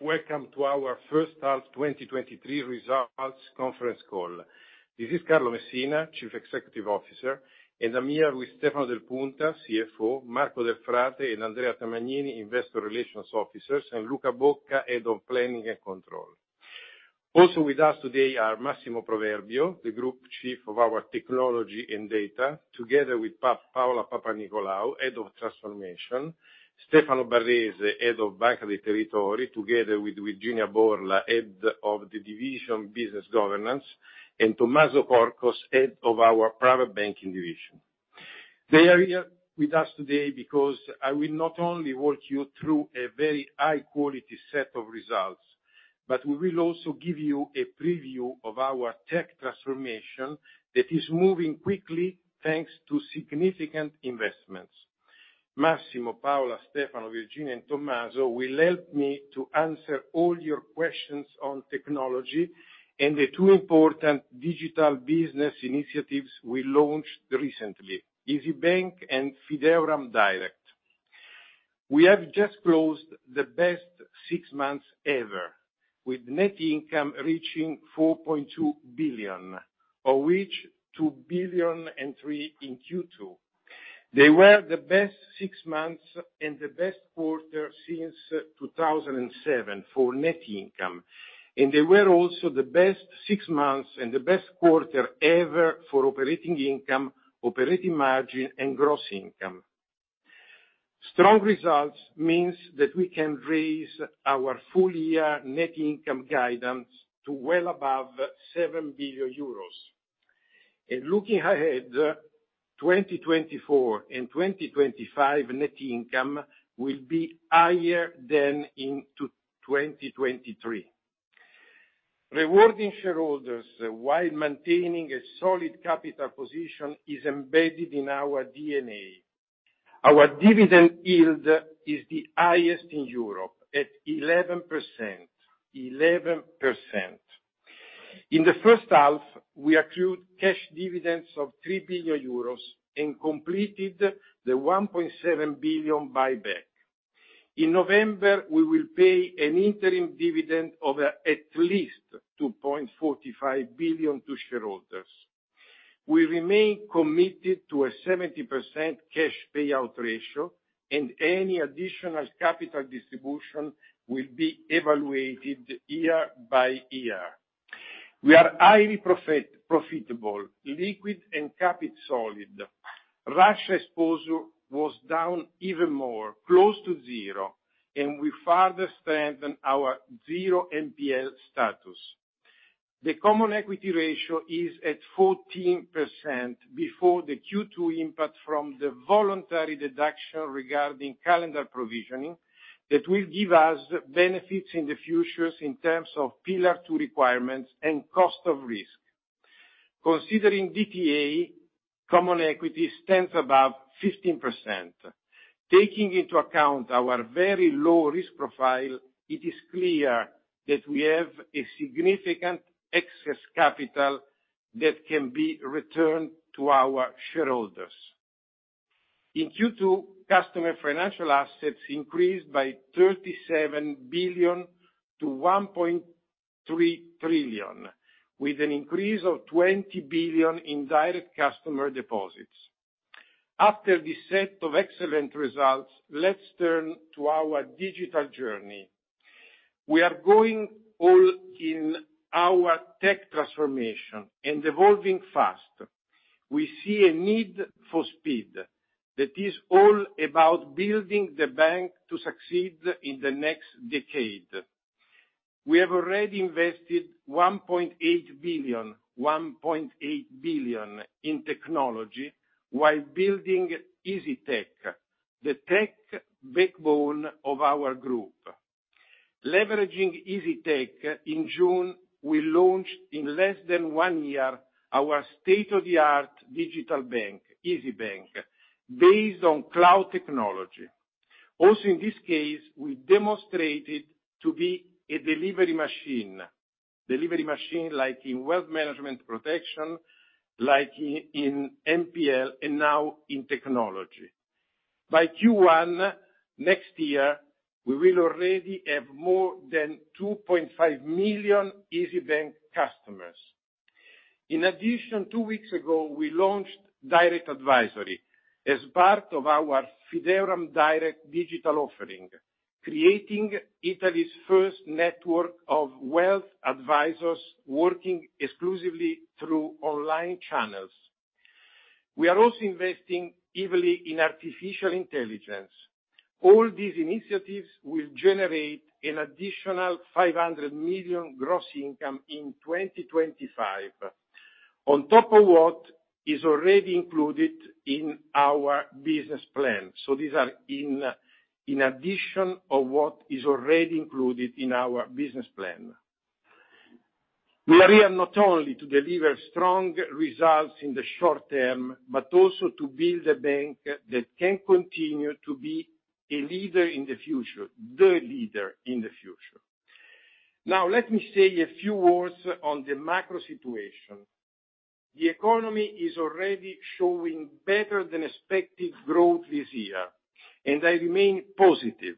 Welcome to our first half 2023 results conference call. This is Carlo Messina, Chief Executive Officer, and I'm here with Stefano Del Punta, CFO, Marco Delfrate, and Andrea Tamagnini, investor relations officers, and Luca Bocca, Head of Planning and Control. Also with us today are Massimo Proverbio, the Group Chief of our Technology and Data, together with Paola Papanicolaou, Head of Transformation, Stefano Barrese, Head of Banca dei Territori, together with Virginia Borla, Head of the Division Business Governance, and Tommaso Corcos, Head of our Private Banking Division. They are here with us today because I will not only walk you through a very high-quality set of results, but we will also give you a preview of our tech transformation that is moving quickly, thanks to significant investments. Massimo, Paola, Stefano, Virginia, and Tommaso will help me to answer all your questions on technology and the two important digital business initiatives we launched recently, Isybank and Fideuram Direct. We have just closed the best six months ever, with net income reaching 4.2 billion, of which 2.3 billion in Q2. They were the best six months and the best quarter since 2007 for net income, and they were also the best six months and the best quarter ever for operating income, operating margin, and gross income. Strong results means that we can raise our full year net income guidance to well above 7 billion euros. Looking ahead, 2024 and 2025 net income will be higher than in 2023. Rewarding shareholders while maintaining a solid capital position is embedded in our DNA. Our dividend yield is the highest in Europe at 11%, 11%. In the first half, we accrued cash dividends of 3 billion euros and completed the 1.7 billion buyback. In November, we will pay an interim dividend of at least 2.45 billion to shareholders. We remain committed to a 70% cash payout ratio, and any additional capital distribution will be evaluated year by year. We are highly profitable, liquid, and capital solid. Russia exposure was down even more, close to zero, and we further strengthen our zero NPL status. The common equity ratio is at 14% before the Q2 impact from the voluntary deduction regarding calendar provisioning, that will give us benefits in the future in terms of Pillar II requirements and cost of risk. Considering DTA, common equity stands above 15%. Taking into account our very low risk profile, it is clear that we have a significant excess capital that can be returned to our shareholders. In Q2, customer financial assets increased by 37 billion to 1.3 trillion, with an increase of 20 billion in direct customer deposits. After this set of excellent results, let's turn to our digital journey. We are going all in our tech transformation and evolving fast. We see a need for speed that is all about building the bank to succeed in the next decade. We have already invested 1.8 billion, 1.8 billion in technology while building Isytech, the tech backbone of our group. Leveraging Isytech, in June, we launched in less than one year, our state-of-the-art digital bank, Isybank, based on cloud technology. In this case, we demonstrated to be a delivery machine, delivery machine, like in wealth management protection, like in, in NPL, and now in technology. By Q1 next year, we will already have more than 2.5 million Isybank customers. In addition, 2 weeks ago, we launched Direct Advisory as part of our Fideuram Direct digital offering, creating Italy's first network of wealth advisors working exclusively through online channels. We are also investing heavily in artificial intelligence. All these initiatives will generate an additional 500 million gross income in 2025, on top of what is already included in our business plan. These are in addition of what is already included in our business plan. We are here not only to deliver strong results in the short term, but also to build a bank that can continue to be a leader in the future, the leader in the future. Let me say a few words on the macro situation. The economy is already showing better than expected growth this year, and I remain positive,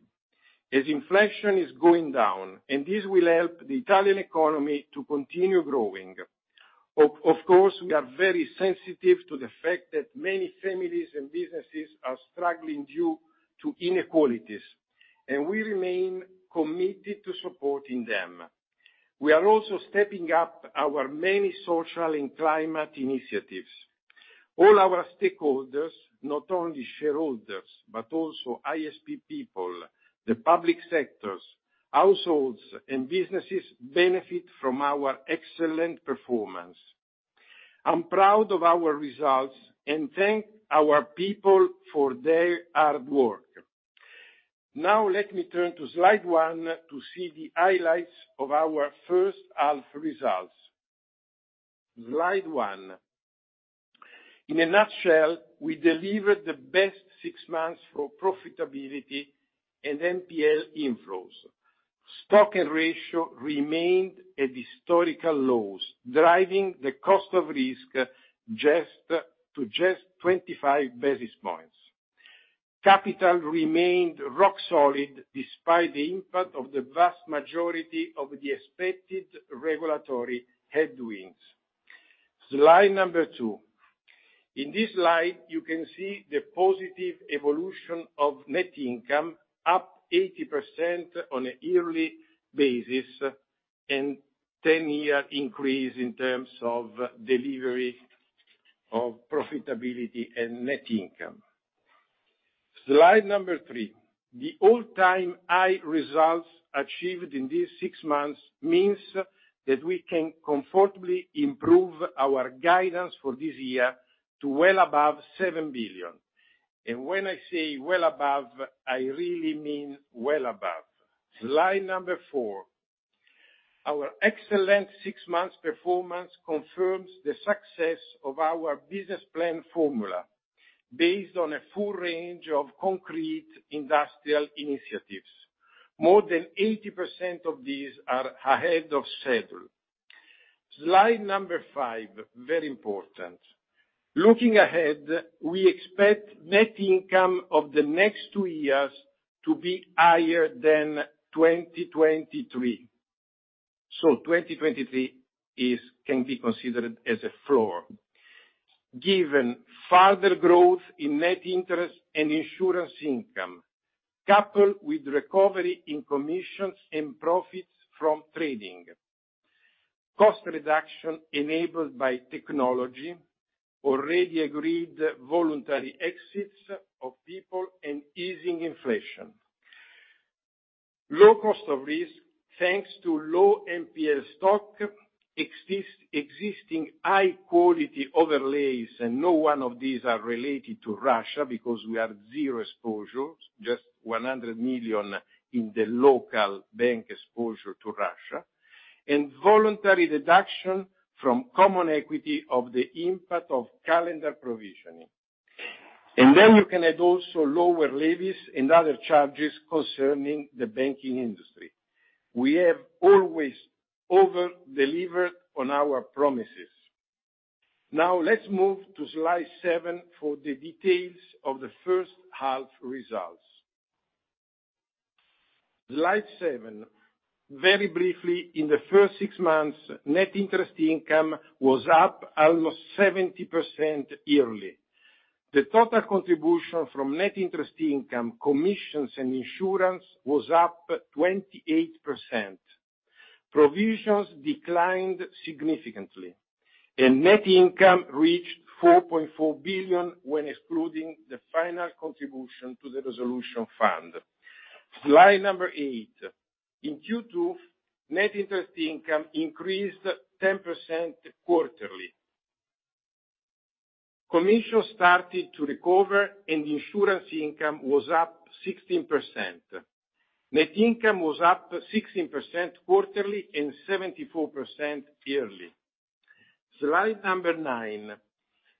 as inflation is going down, and this will help the Italian economy to continue growing. Of course, we are very sensitive to the fact that many families and businesses are struggling due to inequalities, and we remain committed to supporting them. We are also stepping up our many social and climate initiatives. All our stakeholders, not only shareholders, but also ISP people, the public sectors, households, and businesses, benefit from our excellent performance. I'm proud of our results, and thank our people for their hard work. Now let me turn to slide one to see the highlights of our first half results. Slide one. In a nutshell, we delivered the best six months for profitability and NPL inflows. Stock and ratio remained at historical lows, driving the cost of risk to just 25 basis points. Capital remained rock solid, despite the impact of the vast majority of the expected regulatory headwinds. Slide number two. In this slide, you can see the positive evolution of net income, up 80% on a yearly basis, and 10-year increase in terms of delivery of profitability and net income. Slide number three. The all-time high results achieved in these six months means that we can comfortably improve our guidance for this year to well above 7 billion. When I say well above, I really mean well above. Slide number four. Our excellent six months performance confirms the success of our business plan formula, based on a full range of concrete industrial initiatives. More than 80% of these are ahead of schedule. Slide number five, very important. Looking ahead, we expect net income of the next two years to be higher than 2023. 2023 is, can be considered as a floor. Given further growth in net interest and insurance income, coupled with recovery in commissions and profits from trading, cost reduction enabled by technology, already agreed voluntary exits of people, and easing inflation. Low cost of risk, thanks to low NPL stock, existing high quality overlays, and no one of these are related to Russia, because we have zero exposure, just 100 million in the local bank exposure to Russia. Voluntary deduction from common equity of the impact of calendar provisioning. You can add also lower levies and other charges concerning the banking industry. We have always over-delivered on our promises. Now, let's move to slide seven for the details of the first half results. Slide seven. Very briefly, in the first six months, net interest income was up almost 70% yearly. The total contribution from net interest income, commissions, and insurance was up 28%. Provisions declined significantly, and net income reached 4.4 billion when excluding the final contribution to the Resolution Fund. Slide number eight. In Q2, net interest income increased 10% quarterly. Commissions started to recover, and insurance income was up 16%. Net income was up 16% quarterly, and 74% yearly. Slide number nine.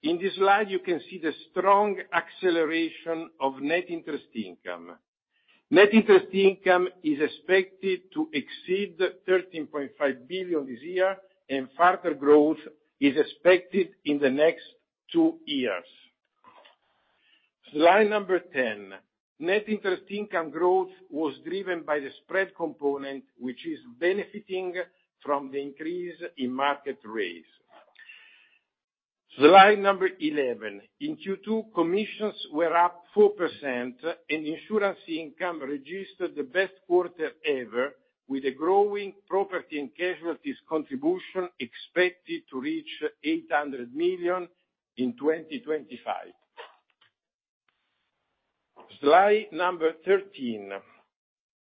In this slide, you can see the strong acceleration of net interest income. Net interest income is expected to exceed 13.5 billion this year. Further growth is expected in the next two years. Slide number 10. Net interest income growth was driven by the spread component, which is benefiting from the increase in market rates. Slide number 11. In Q2, commissions were up 4%, and insurance income registered the best quarter ever, with a growing Property and Casualty contribution expected to reach 800 million in 2025. Slide number 13.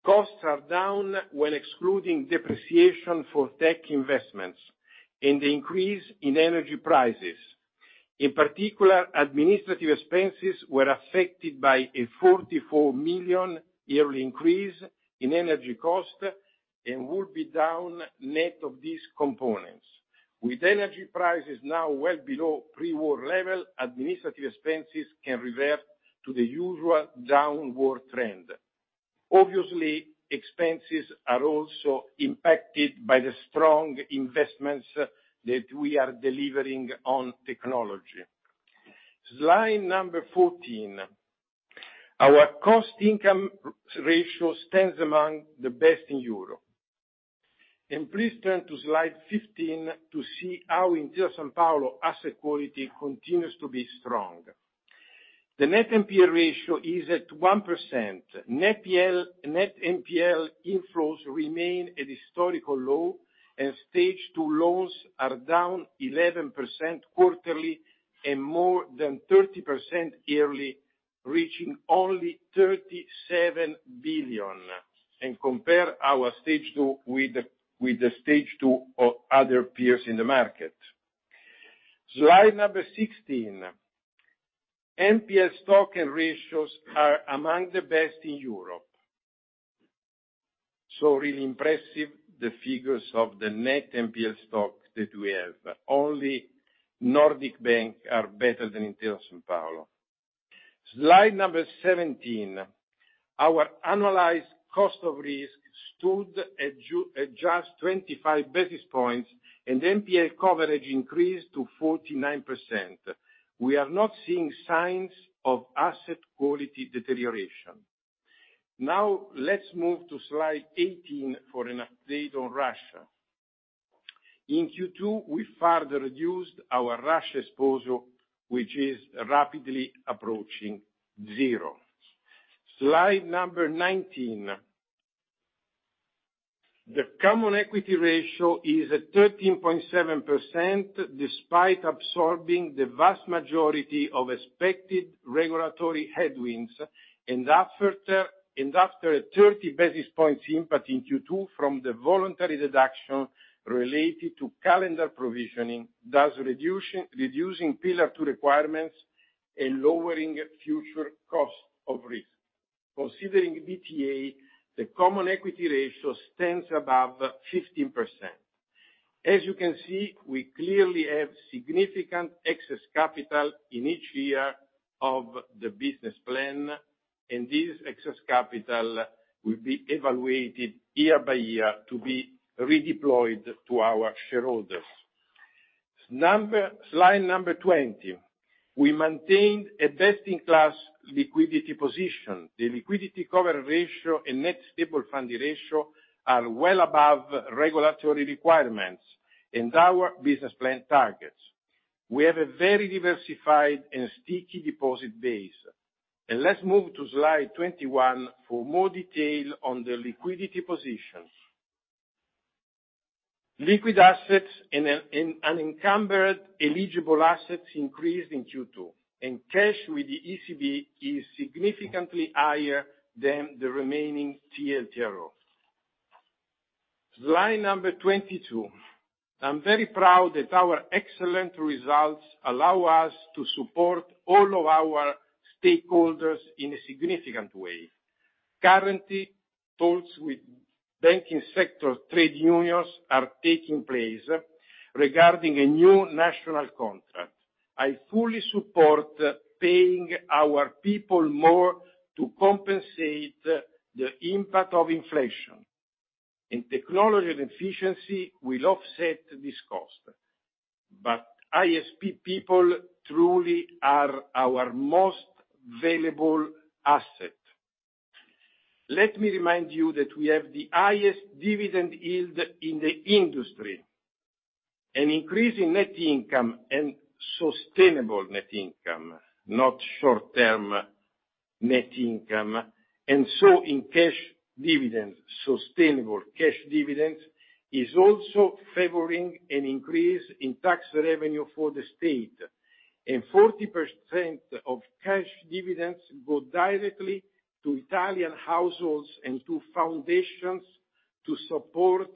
Costs are down when excluding depreciation for tech investments and the increase in energy prices. In particular, administrative expenses were affected by a 44 million yearly increase in energy costs. Will be down net of these components. With energy prices now well below pre-war level, administrative expenses can revert to the usual downward trend. Obviously, expenses are also impacted by the strong investments that we are delivering on technology. Slide 14, our cost-income ratio stands among the best in Europe. Please turn to slide 15 to see how Intesa Sanpaolo asset quality continues to be strong. The net NPL ratio is at 1%. Net PL, net NPL inflows remain at historical low, and Stage 2 loans are down 11% quarterly, and more than 30% yearly, reaching only 37 billion. Compare our Stage 2 with the, with the Stage 2 of other peers in the market. Slide 16. NPL stock and ratios are among the best in Europe. Really impressive, the figures of the net NPL stock that we have. Only Nordic banks are better than Intesa Sanpaolo. Slide number 17, our analyzed cost of risk stood at just 25 basis points, and NPL coverage increased to 49%. We are not seeing signs of asset quality deterioration. Let's move to slide 18 for an update on Russia. In Q2, we further reduced our Russia exposure, which is rapidly approaching zero. Slide number 19. The common equity ratio is at 13.7%, despite absorbing the vast majority of expected regulatory headwinds, and after, and after a 30 basis points impact in Q2 from the voluntary deduction related to calendar provisioning, thus reducing Pillar II requirements and lowering future cost of risk. Considering BPA, the common equity ratio stands above 15%. As you can see, we clearly have significant excess capital in each year of the business plan, and this excess capital will be evaluated year by year to be redeployed to our shareholders. Slide number 20, we maintained a best-in-class liquidity position. The Liquidity Coverage Ratio and Net Stable Funding Ratio are well above regulatory requirements and our business plan targets. We have a very diversified and sticky deposit base. Let's move to slide 21 for more detail on the liquidity position. Liquid assets and unencumbered eligible assets increased in Q2, and cash with the ECB is significantly higher than the remaining TLTRO. Slide number 22. I'm very proud that our excellent results allow us to support all of our stakeholders in a significant way. Currently, talks with banking sector trade unions are taking place regarding a new national contract. I fully support paying our people more to compensate the impact of inflation, and technology and efficiency will offset this cost. ISP people truly are our most valuable asset. Let me remind you that we have the highest dividend yield in the industry. An increase in net income and sustainable net income, not short-term net income, and so in cash dividends, sustainable cash dividends, is also favoring an increase in tax revenue for the state. 40% of cash dividends go directly to Italian households and to foundations to support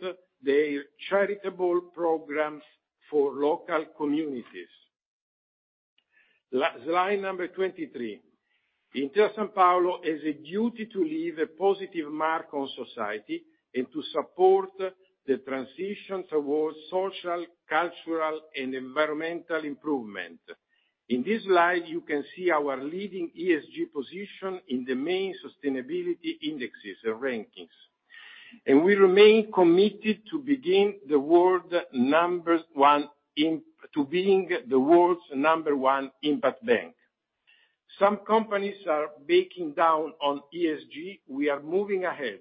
their charitable programs for local communities. Slide number 23. Intesa Sanpaolo has a duty to leave a positive mark on society, and to support the transitions towards social, cultural, and environmental improvement. In this slide, you can see our leading ESG position in the main sustainability indexes and rankings. We remain committed to being the world's number one impact bank. Some companies are backing down on ESG. We are moving ahead.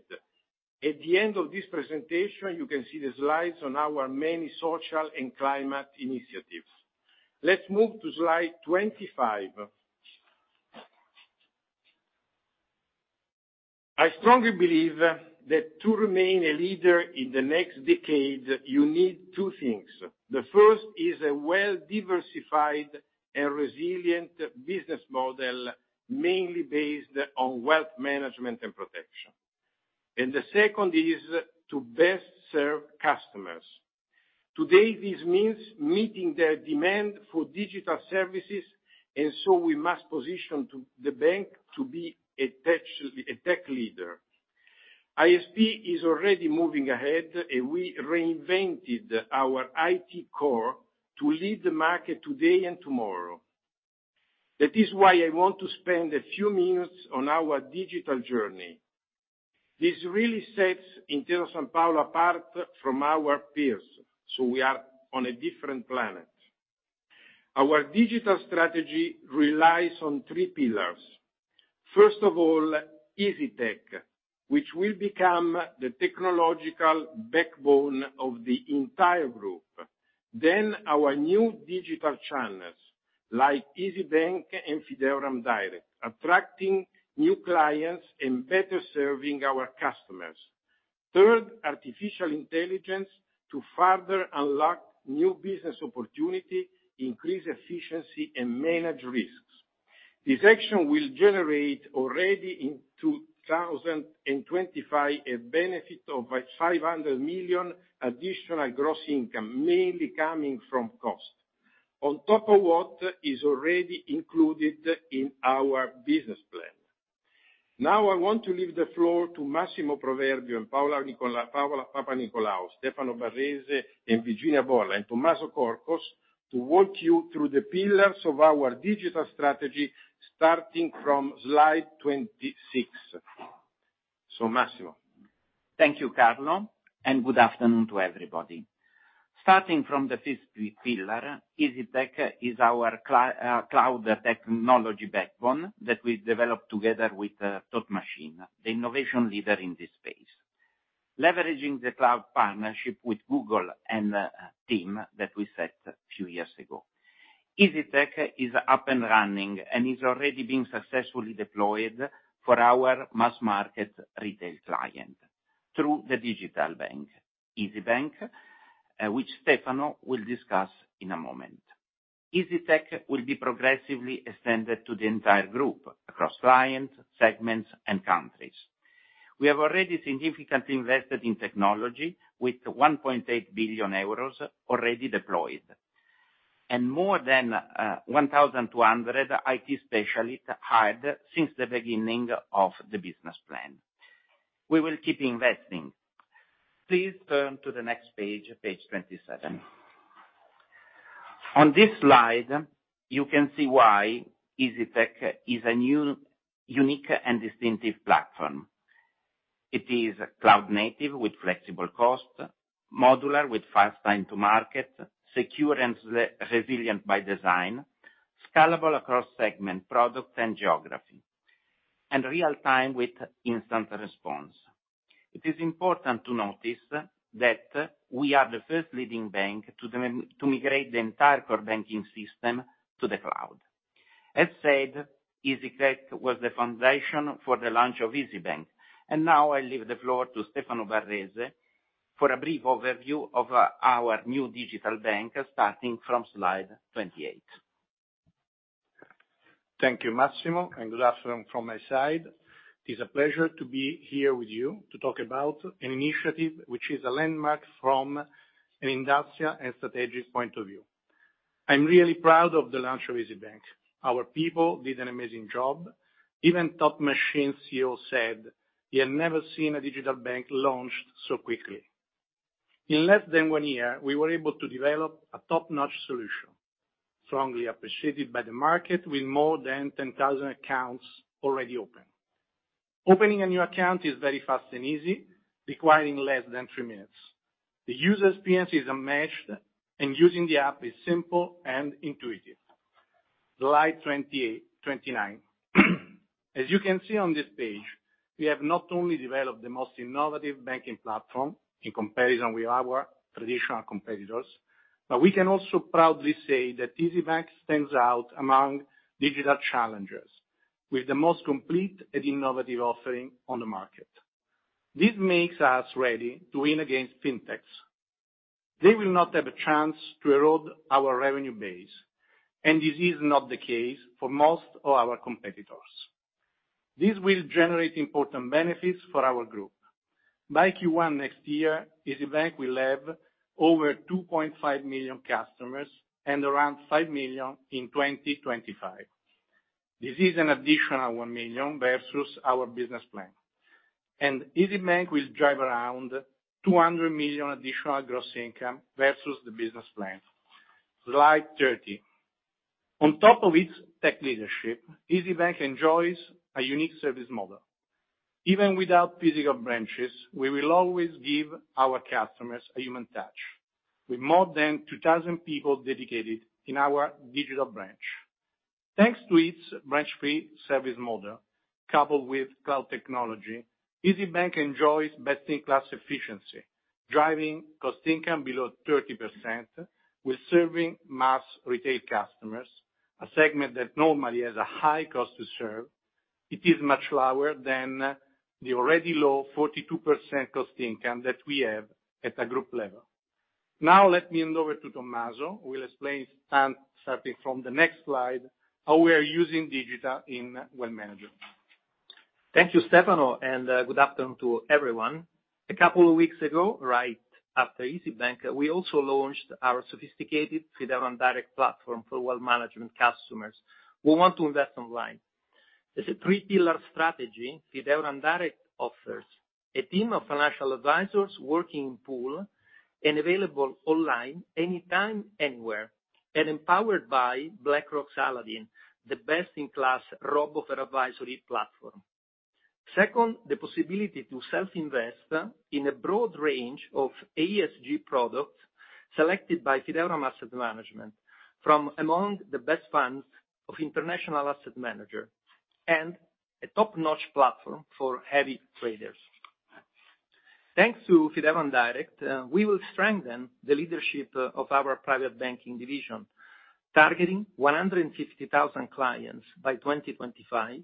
At the end of this presentation, you can see the slides on our many social and climate initiatives. Let's move to slide 25. I strongly believe that to remain a leader in the next decade, you need two things. The first is a well-diversified and resilient business model, mainly based on wealth management and protection. The second is to best serve customers. Today, this means meeting their demand for digital services, and so we must position the bank to be a tech, a tech leader. ISP is already moving ahead, and we reinvented our I.T. core to lead the market today and tomorrow. That is why I want to spend a few minutes on our digital journey. This really sets Intesa Sanpaolo apart from our peers. We are on a different planet. Our digital strategy relies on three pillars. First of all, Isytech, which will become the technological backbone of the entire group. Our new digital channels, like Isybank and Fideuram Direct, attracting new clients and better serving our customers. Third, artificial intelligence to further unlock new business opportunity, increase efficiency, and manage risks. This action will generate already in 2025, a benefit of 500 million additional gross income, mainly coming from cost, on top of what is already included in our business plan. I want to leave the floor to Massimo Proverbio, Paola Papanicolaou, Stefano Barrese, and Virginia Borla, and Tommaso Corcos, to walk you through the pillars of our digital strategy, starting from slide 26. Massimo. Thank you, Carlo, and good afternoon to everybody. Starting from the first pillar, Isytech is our cloud technology backbone that we developed together with Thought Machine, the innovation leader in this space. Leveraging the cloud partnership with Google and TIM that we set a few years ago. Isytech is up and running and is already being successfully deployed for our mass market retail client through the digital bank, Isybank, which Stefano will discuss in a moment. Isytech will be progressively extended to the entire group, across clients, segments, and countries. We have already significantly invested in technology with 1.8 billion euros already deployed, and more than 1,200 IT specialists hired since the beginning of the business plan. We will keep investing. Please turn to the next page, page 27. On this slide, you can see why Isytech is a new, unique, and distinctive platform. It is cloud-native with flexible cost, modular with fast time to market, secure and resilient by design, scalable across segment, product, and geography, and real time with instant response. It is important to notice that we are the first leading bank to migrate the entire core banking system to the cloud. As said, Isytech was the foundation for the launch of Isybank, and now I leave the floor to Stefano Barrese for a brief overview of our new digital bank, starting from slide 28. Thank you, Massimo. Good afternoon from my side. It's a pleasure to be here with you to talk about an initiative which is a landmark from an industrial and strategic point of view. I'm really proud of the launch of Isybank. Our people did an amazing job. Even Thought Machine CEO said he had never seen a digital bank launched so quickly. In less than one year, we were able to develop a top-notch solution, strongly appreciated by the market, with more than 10,000 accounts already open. Opening a new account is very fast and easy, requiring less than three minutes. The user experience is unmatched, and using the app is simple and intuitive. Slide 28, 29. As you can see on this page, we have not only developed the most innovative banking platform in comparison with our traditional competitors, but we can also proudly say that Isybank stands out among digital challengers, with the most complete and innovative offering on the market. This makes us ready to win against fintechs. They will not have a chance to erode our revenue base, and this is not the case for most of our competitors. This will generate important benefits for our group. By Q1 next year, Isybank will have over 2.5 million customers, and around 5 million in 2025. This is an additional 1 million versus our business plan. Isybank will drive around 200 million additional gross income versus the business plan. Slide 30. On top of its tech leadership, Isybank enjoys a unique service model. Even without physical branches, we will always give our customers a human touch, with more than 2,000 people dedicated in our digital branch. Thanks to its branch-free service model, coupled with cloud technology, Isybank enjoys best-in-class efficiency, driving cost income below 30%, with serving mass retail customers, a segment that normally has a high cost to serve. It is much lower than the already low 42% cost income that we have at a group level. Let me hand over to Tommaso, who will explain, starting from the next slide, how we are using digital in wealth management. Thank you, Stefano. Good afternoon to everyone. A couple of weeks ago, right after Isybank, we also launched our sophisticated Fideuram Direct platform for wealth management customers who want to invest online. It's a three-pillar strategy. Fideuram Direct offers: a team of financial advisors working in pool and available online anytime, anywhere, and empowered by BlackRock's Aladdin, the best-in-class robo-advisory platform. Second, the possibility to self-invest in a broad range of ESG products selected by Fideuram Asset Management from among the best funds of international asset manager, and a top-notch platform for heavy traders. Thanks to Fideuram Direct, we will strengthen the leadership of our private banking division, targeting 150,000 clients by 2025,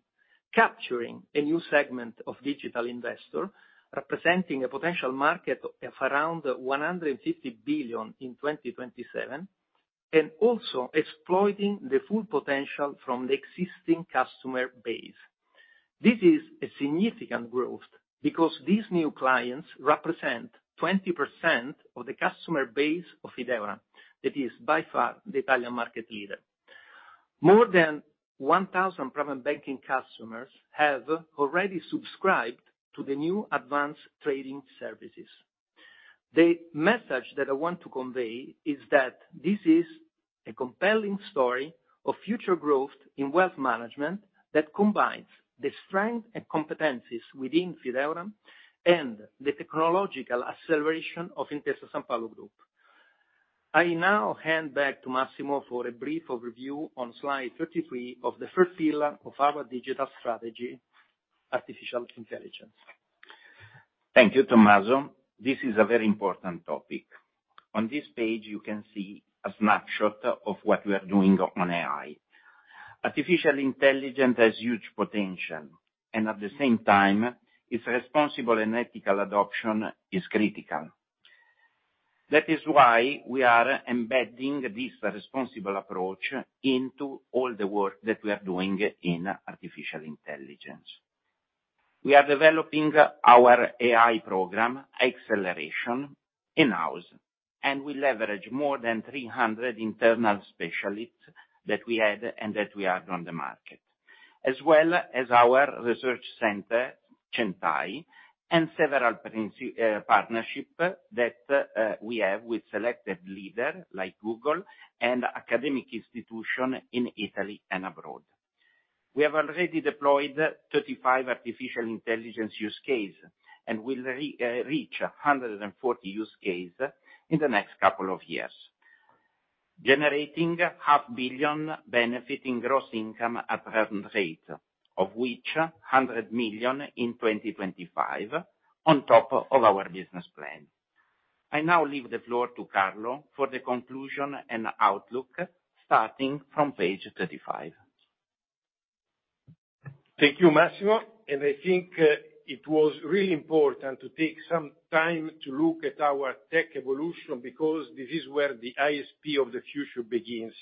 capturing a new segment of digital investor, representing a potential market of around 150 billion in 2027, and also exploiting the full potential from the existing customer base. This is a significant growth because these new clients represent 20% of the customer base of Fideuram. It is by far the Italian market leader. More than 1,000 private banking customers have already subscribed to the new advanced trading services. The message that I want to convey is that this is a compelling story of future growth in wealth management that combines the strength and competencies within Fideuram and the technological acceleration of Intesa Sanpaolo Group. I now hand back to Massimo Proverbio for a brief overview on slide 33 of the first pillar of our digital strategy, artificial intelligence. Thank you, Tommaso. This is a very important topic. On this page, you can see a snapshot of what we are doing on AI. Artificial intelligence has huge potential, and at the same time, its responsible and ethical adoption is critical. That is why we are embedding this responsible approach into all the work that we are doing in artificial intelligence. We are developing our AI program acceleration in-house, and we leverage more than 300 internal specialists that we had and that we have on the market, as well as our research center, CENTAI, and several partnership that we have with selected leader, like Google and academic institution in Italy and abroad. We have already deployed 35 artificial intelligence use case, and we'll reach 140 use case in the next couple of years, generating 0.5 billion benefit in gross income at present rate, of which 100 million in 2025, on top of our business plan. I now leave the floor to Carlo for the conclusion and outlook, starting from page 35. Thank you, Massimo. I think it was really important to take some time to look at our tech evolution because this is where the ISP of the future begins.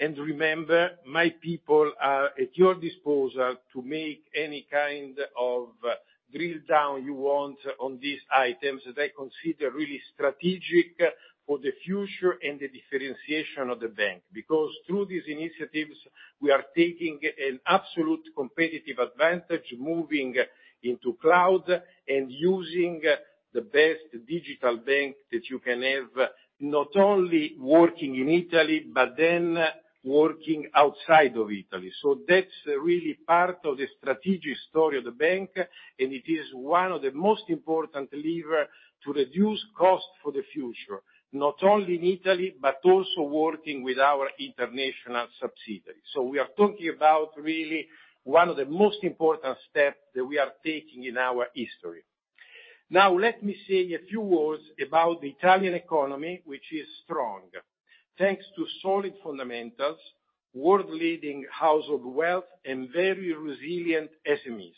Remember, my people are at your disposal to make any kind of drill down you want on these items that I consider really strategic for the future and the differentiation of the bank, because through these initiatives, we are taking an absolute competitive advantage, moving into cloud and using the best digital bank that you can have, not only working in Italy, but then working outside of Italy. That's really part of the strategic story of the bank, and it is one of the most important lever to reduce costs for the future, not only in Italy, but also working with our international subsidiaries. We are talking about really one of the most important steps that we are taking in our history. Now, let me say a few words about the Italian economy, which is strong, thanks to solid fundamentals, world-leading household wealth, and very resilient SMEs.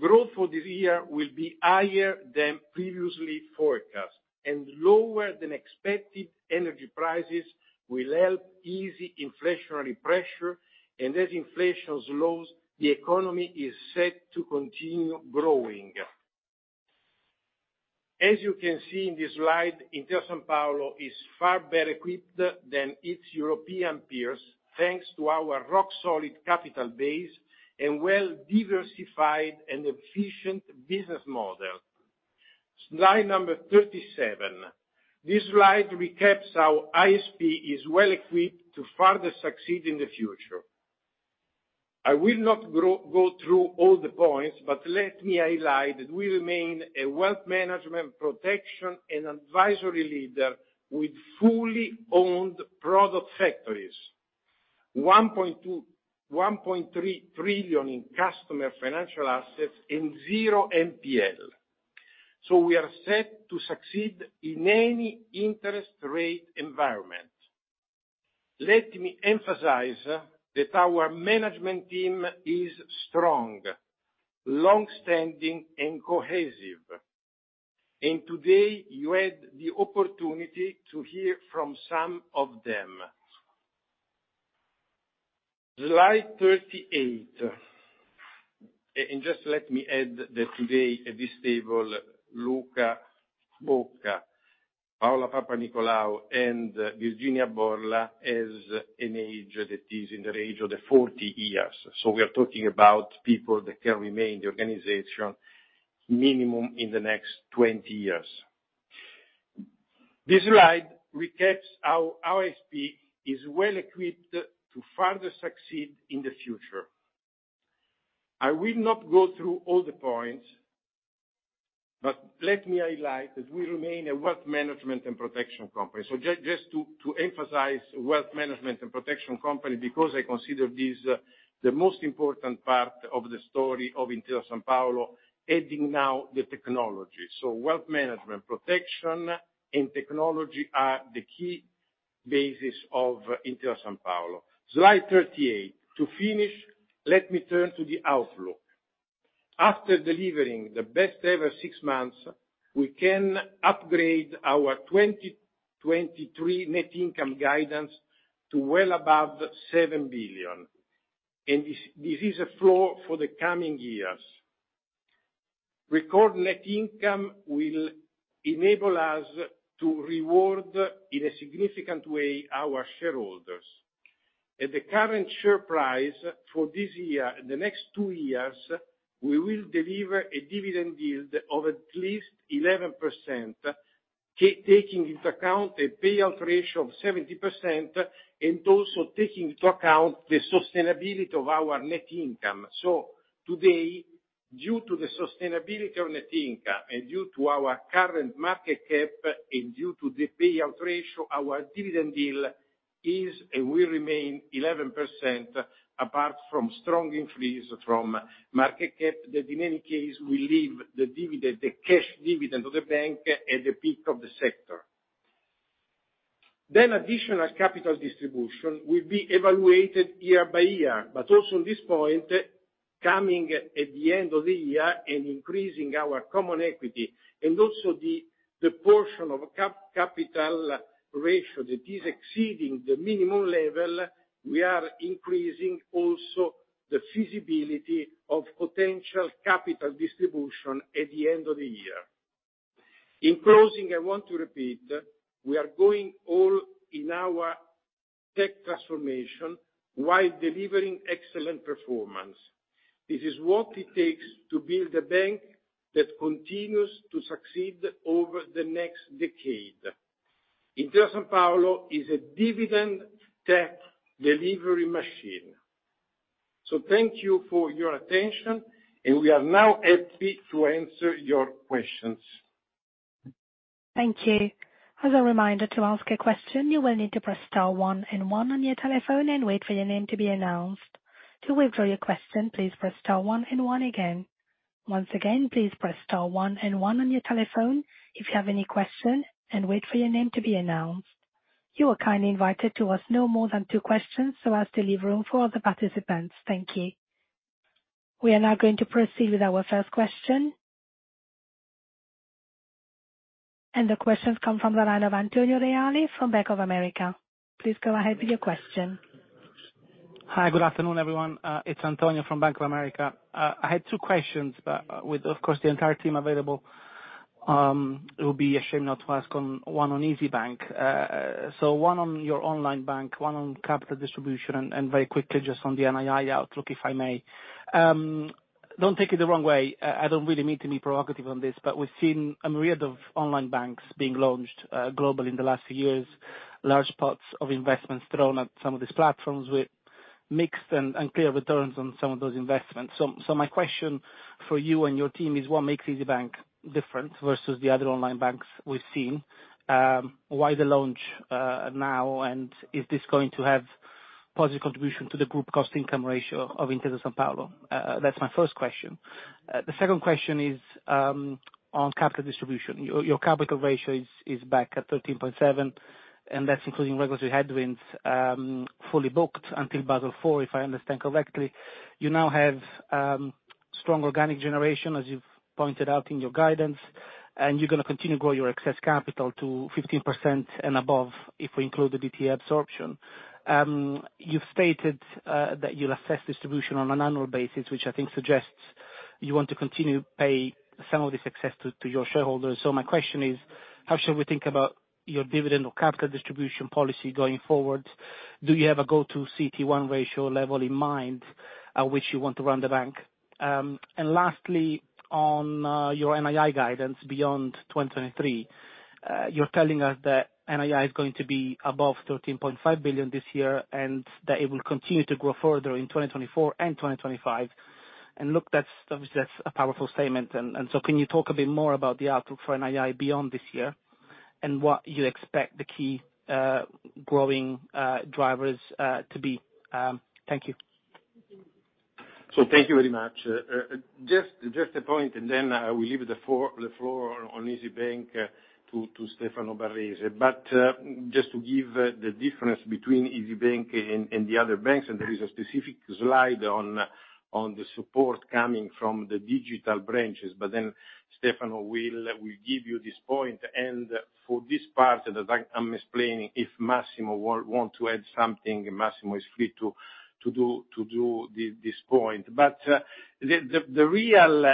Growth for this year will be higher than previously forecast, and lower than expected energy prices will help easy inflationary pressure, and as inflation slows, the economy is set to continue growing. As you can see in this slide, Intesa Sanpaolo is far better equipped than its European peers, thanks to our rock-solid capital base and well-diversified and efficient business model. Slide number 37. This slide recaps how ISP is well equipped to further succeed in the future. I will not go through all the points, but let me highlight that we remain a wealth management protection and advisory leader with fully owned product factories, 1.2-1.3 trillion in customer financial assets and zero NPL. We are set to succeed in any interest rate environment. Let me emphasize that our management team is strong, longstanding, and cohesive, and today, you had the opportunity to hear from some of them. Slide 38. Just let me add that today, at this table, Luca Bocca, Paola Papanicolaou, and Virginia Borla has an age that is in the range of the 40 years. We are talking about people that can remain in the organization minimum in the next 20 years. This slide recaps how ISP is well-equipped to further succeed in the future. I will not go through all the points, but let me highlight that we remain a wealth management and protection company. Just to emphasize wealth management and protection company, because I consider this, the most important part of the story of Intesa Sanpaolo, adding now the technology. Wealth management, protection, and technology are the key basis of Intesa Sanpaolo. Slide 38. To finish, let me turn to the outlook. After delivering the best ever six months, we can upgrade our 2023 net income guidance to well above 7 billion, and this is a floor for the coming years. Record net income will enable us to reward, in a significant way, our shareholders. At the current share price for this year and the next two years, we will deliver a dividend yield of at least 11%, taking into account a payout ratio of 70%, and also taking into account the sustainability of our net income. Today, due to the sustainability of net income, and due to our current market cap, and due to the payout ratio, our dividend yield is, and will remain 11%, apart from strong increase from market cap, that in any case, will leave the dividend, the cash dividend of the bank at the peak of the sector. Additional capital distribution will be evaluated year by year. Also, on this point, coming at the end of the year and increasing our common equity, and also the portion of capital ratio that is exceeding the minimum level, we are increasing also the feasibility of potential capital distribution at the end of the year. In closing, I want to repeat, we are going all in our tech transformation, while delivering excellent performance. This is what it takes to build a bank that continues to succeed over the next decade. Intesa Sanpaolo is a dividend tech delivery machine. Thank you for your attention, and we are now happy to answer your questions. Thank you. As a reminder, to ask a question, you will need to press star one and one on your telephone and wait for your name to be announced. To withdraw your question, please press star one and one again. Once again, please press star one and one on your telephone if you have any question, and wait for your name to be announced. You are kindly invited to ask no more than two questions, so as to leave room for other participants. Thank you. We are now going to proceed with our first question. The question comes from the line of Antonio Reale from Bank of America. Please go ahead with your question. Hi, good afternoon, everyone. It's Antonio from Bank of America. I had two questions, but with, of course, the entire team available, it would be a shame not to ask on, one on Isybank. One on your online bank, one on capital distribution, and, and very quickly, just on the NII outlook, if I may. Don't take it the wrong way, I don't really mean to be provocative on this, but we've seen a myriad of online banks being launched, globally in the last few years. Large pots of investments thrown at some of these platforms with mixed and, and clear returns on some of those investments. My question for you and your team is: what makes Isybank different versus the other online banks we've seen? Why the launch, now? Is this going to have positive contribution to the group cost-income ratio of Intesa Sanpaolo? That's my first question. The second question is on capital distribution. Your capital ratio is back at 13.7, and that's including regulatory headwinds, fully booked until Basel IV, if I understand correctly. You now have strong organic generation, as you've pointed out in your guidance, and you're gonna continue to grow your excess capital to 15% and above, if we include the DTA absorption. You've stated that you'll assess distribution on an annual basis, which I think suggests you want to continue pay some of the success to your shareholders. My question is: how should we think about your dividend or capital distribution policy going forward? Do you have a go-to CET1 ratio level in mind, at which you want to run the bank? Lastly, on your NII guidance beyond 2023, you're telling us that NII is going to be above 13.5 billion this year, and that it will continue to grow further in 2024 and 2025. Look, that's, obviously, that's a powerful statement. So can you talk a bit more about the outlook for NII beyond this year, and what you expect the key growing drivers to be? Thank you. Thank you very much. Just, just a point I will leave the floor, the floor on Isybank, to Stefano Barrese. Just to give the difference between Isybank and, and the other banks, there is a specific slide on, on the support coming from the digital branches. Stefano will, will give you this point. For this part, as I'm explaining, if Massimo want, want to add something, Massimo is free to, to do, to do this, this point. The, the, the real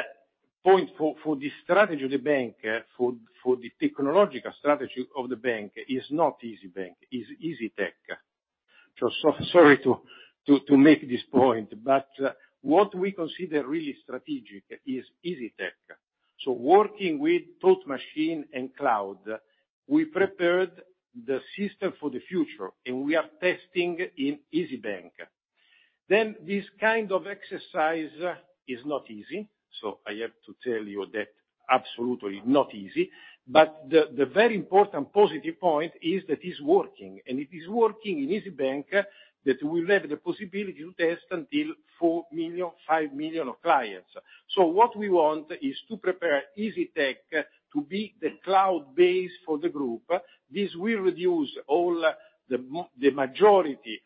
point for, for the strategy of the bank, for, for the technological strategy of the bank is not Isybank, is Isytech. Sorry to, to, to make this point, what we consider really strategic is Isytech. Working with both machine and cloud, we prepared the system for the future, and we are testing in Isybank. This kind of exercise is not easy, so I have to tell you that absolutely not easy. The very important positive point is that it's working, and it is working in Isybank, that we will have the possibility to test until 4 million-5 million of clients. What we want is to prepare Isytech to be the cloud base for the group. This will reduce all the majority of the,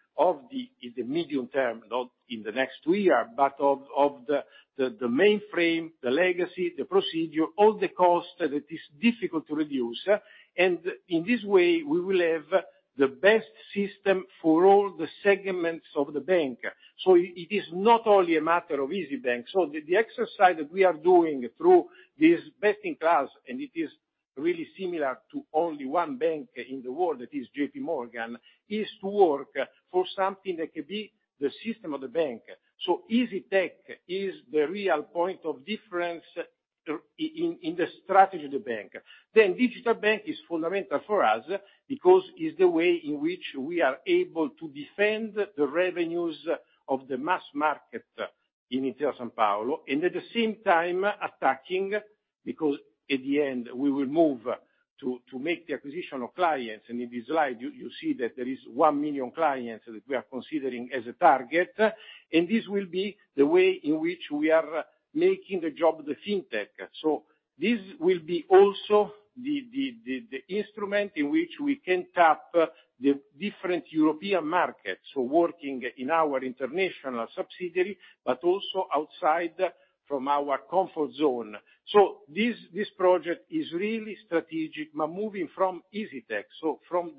in the medium term, not in the next two year, but of the mainframe, the legacy, the procedure, all the cost that it is difficult to reduce. In this way, we will have the best system for all the segments of the bank. It is not only a matter of Isybank. The exercise that we are doing through this best-in-class, and it is really similar to only one bank in the world, that is J.P. Morgan, is to work for something that could be the system of the bank. Isytech is the real point of difference in, in the strategy of the bank. Digital bank is fundamental for us, because it's the way in which we are able to defend the revenues of the mass market in Intesa Sanpaolo, and at the same time attacking, because at the end, we will move to, to make the acquisition of clients. In this slide, you see that there is 1 million clients that we are considering as a target, and this will be the way in which we are making the job of the fintech. This will be also the instrument in which we can tap the different European markets, working in our international subsidiary, but also outside from our comfort zone. This project is really strategic, but moving from Isytech, from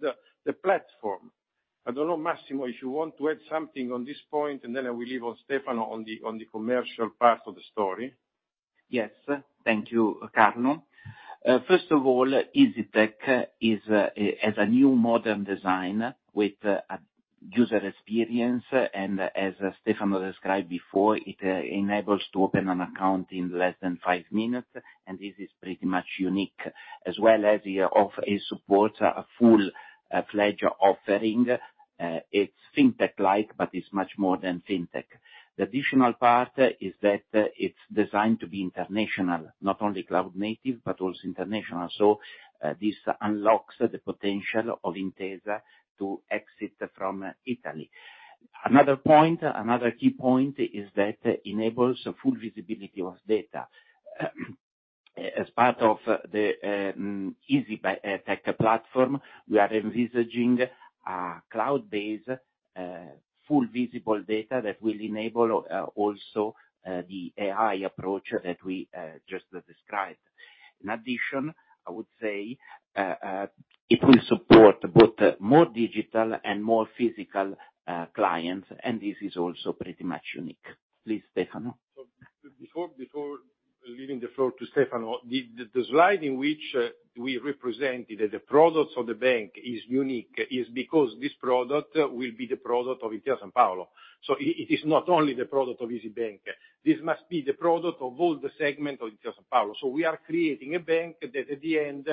the platform. I don't know, Massimo, if you want to add something on this point, and then I will leave on Stefano on the commercial part of the story. Yes, thank you, Carlo. First of all, Isybank is a new modern design with a user experience, and as Stefano described before, it enables to open an account in less than five minutes. This is pretty much unique. As well as it offer a support, a full-fledged offering. It's fintech-like, but it's much more than fintech. The additional part is that it's designed to be international, not only cloud-native, but also international. This unlocks the potential of Intesa to exit from Italy. Another point, another key point is that enables a full visibility of data. As part of the Isytech platform, we are envisaging a cloud-based, full visible data that will enable also the AI approach that we just described. I would say, it will support both more digital and more physical clients, and this is also pretty much unique. Please, Stefano. Before leaving the floor to Stefano, the slide in which we represented the products of the bank is unique because this product will be the product of Intesa Sanpaolo. It is not only the product of Isybank. This must be the product of all the segment of Intesa Sanpaolo. We are creating a bank that, at the end,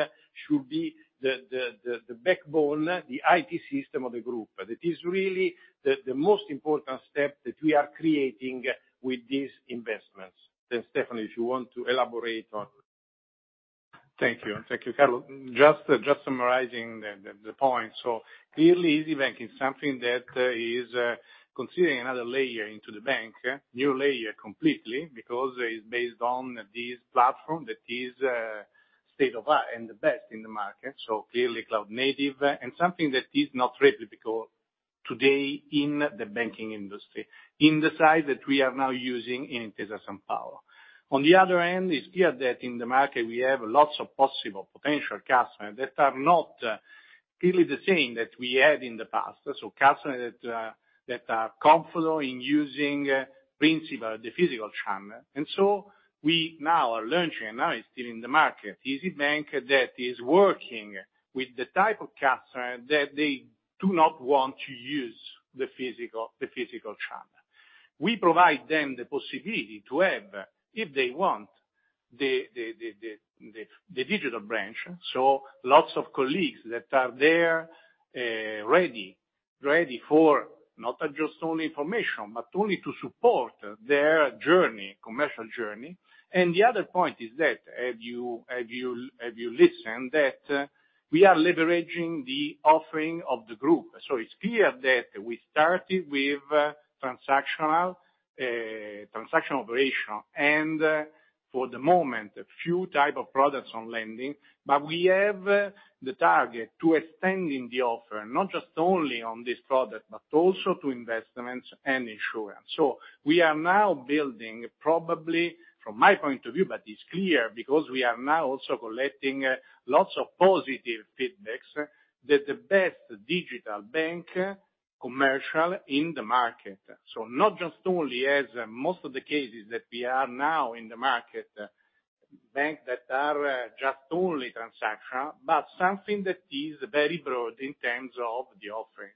should be the backbone, the IT system of the group. That is really the most important step that we are creating with these investments. Stefano, if you want to elaborate on... Thank you. Thank you, Carlo. Just, just summarizing the, the, the points. Clearly, Isybank is something that is considering another layer into the bank, new layer completely, because it's based on this platform that is state-of-art and the best in the market, so clearly cloud-native, and something that is not really typical today in the banking industry, in the size that we are now using in Intesa Sanpaolo. On the other hand, it's clear that in the market, we have lots of possible potential customers that are not clearly the same that we had in the past, so customers that that are comfortable in using principal, the physical channel. So we now are launching, and now it's still in the market, Isybank, that is working with the type of customer that they do not want to use the physical, the physical channel. We provide them the possibility to have, if they want, the digital branch, so lots of colleagues that are there, ready, ready for not just only information, but only to support their journey, commercial journey. The other point is that, as you, as you, as you listen, that we are leveraging the offering of the group. It's clear that we started with transactional transaction operation, and for the moment, a few type of products on lending, but we have the target to extending the offer, not just only on this product, but also to investments and insurance. We are now building, probably, from my point of view, but it's clear because we are now also collecting lots of positive feedbacks, that the best digital bank commercial in the market. Not just only as most of the cases that we are now in the market. Bank that are just only transactional, but something that is very broad in terms of the offering.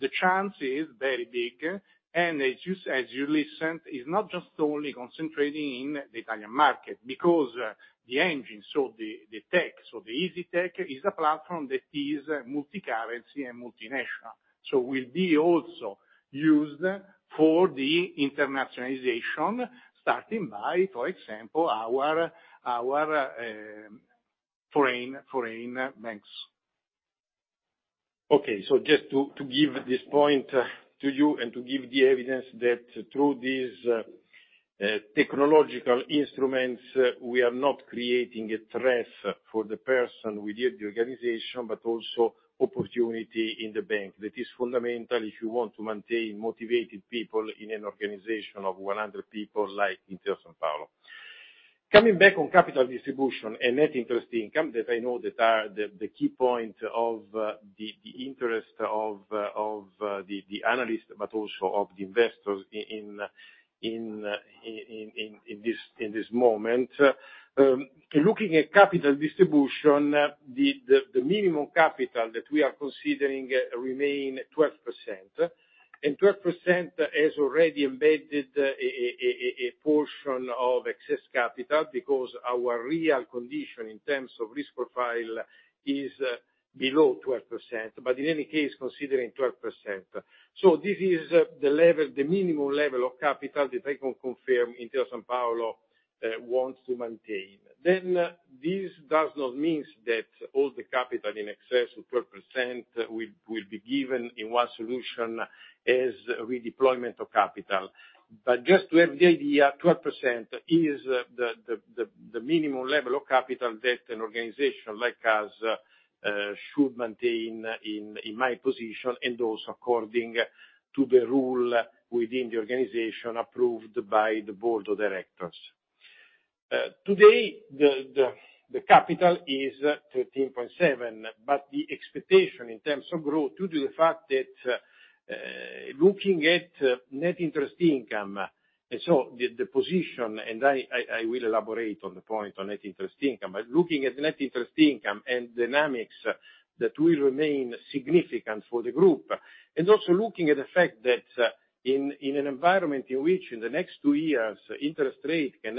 The chance is very big, and as you as you listened, is not just only concentrating in the Italian market, because the engine, so the, the tech, so the Isytech, is a platform that is multi-currency and multinational. Will be also used for the internationalization, starting by, for example, our, our, foreign, foreign banks. Just to, to give this point to you and to give the evidence that through these, technological instruments, we are not creating a threat for the person within the organization, but also opportunity in the bank. That is fundamental if you want to maintain motivated people in an organization of 100 people, like Intesa Sanpaolo. Coming back on capital distribution and net interest income, that I know that are the, the key point of the, the interest of the analyst, but also of the investors in this moment. Looking at capital distribution, the minimum capital that we are considering remain 12%. 12% has already embedded a portion of excess capital, because our real condition in terms of risk profile is below 12%, but in any case, considering 12%. This is the level, the minimum level of capital that I can confirm Intesa Sanpaolo wants to maintain. This does not means that all the capital in excess of 12% will be given in one solution as redeployment of capital. Just to have the idea, 12% is the minimum level of capital that an organization like us should maintain in my position, and also according to the rule within the organization, approved by the board of directors. Today, the capital is 13.7, but the expectation in terms of growth, due to the fact that looking at net interest income, so the position, and I will elaborate on the point on net interest income. Looking at net interest income and dynamics that will remain significant for the group, and also looking at the fact that, in an environment in which, in the next two years, interest rate can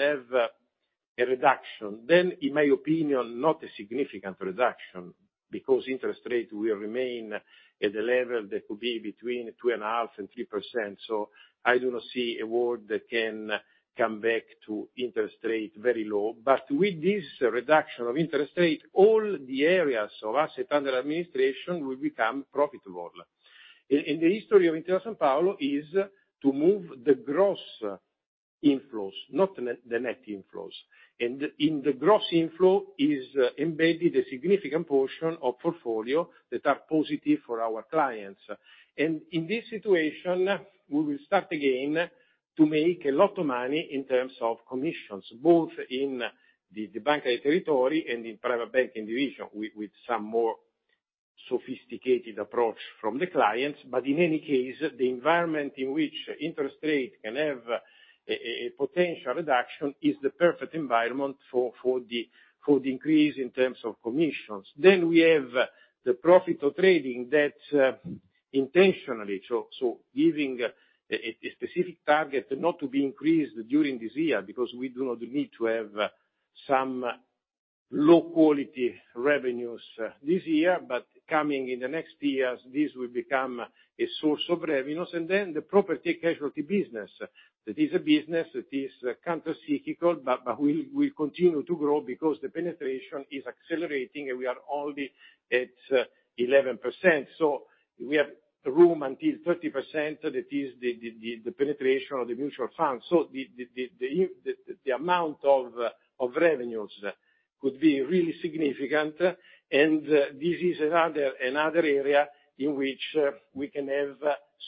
have a reduction, then, in my opinion, not a significant reduction, because interest rate will remain at a level that will be between 2.5% and 3%. I do not see a world that can come back to interest rate very low. With this reduction of interest rate, all the areas of asset under administration will become profitable. In the history of Intesa Sanpaolo is to move the gross inflows, not the net inflows. In the gross inflow is embedded a significant portion of portfolio that are positive for our clients. In this situation, we will start again to make a lot of money in terms of commissions, both in the Banca dei Territori and in Private Banking Division, with some more sophisticated approach from the clients. In any case, the environment in which interest rate can have a potential reduction is the perfect environment for the increase in terms of commissions. We have the profit of trading that intentionally, so giving a specific target not to be increased during this year, because we do not need to have some low-quality revenues this year, but coming in the next years, this will become a source of revenues. The Property and Casualty business. That is a business that is countercyclical, but will continue to grow because the penetration is accelerating, and we are already at 11%. We have room until 30%, that is the penetration of the mutual funds. The amount of revenues could be really significant, and this is another area in which we can have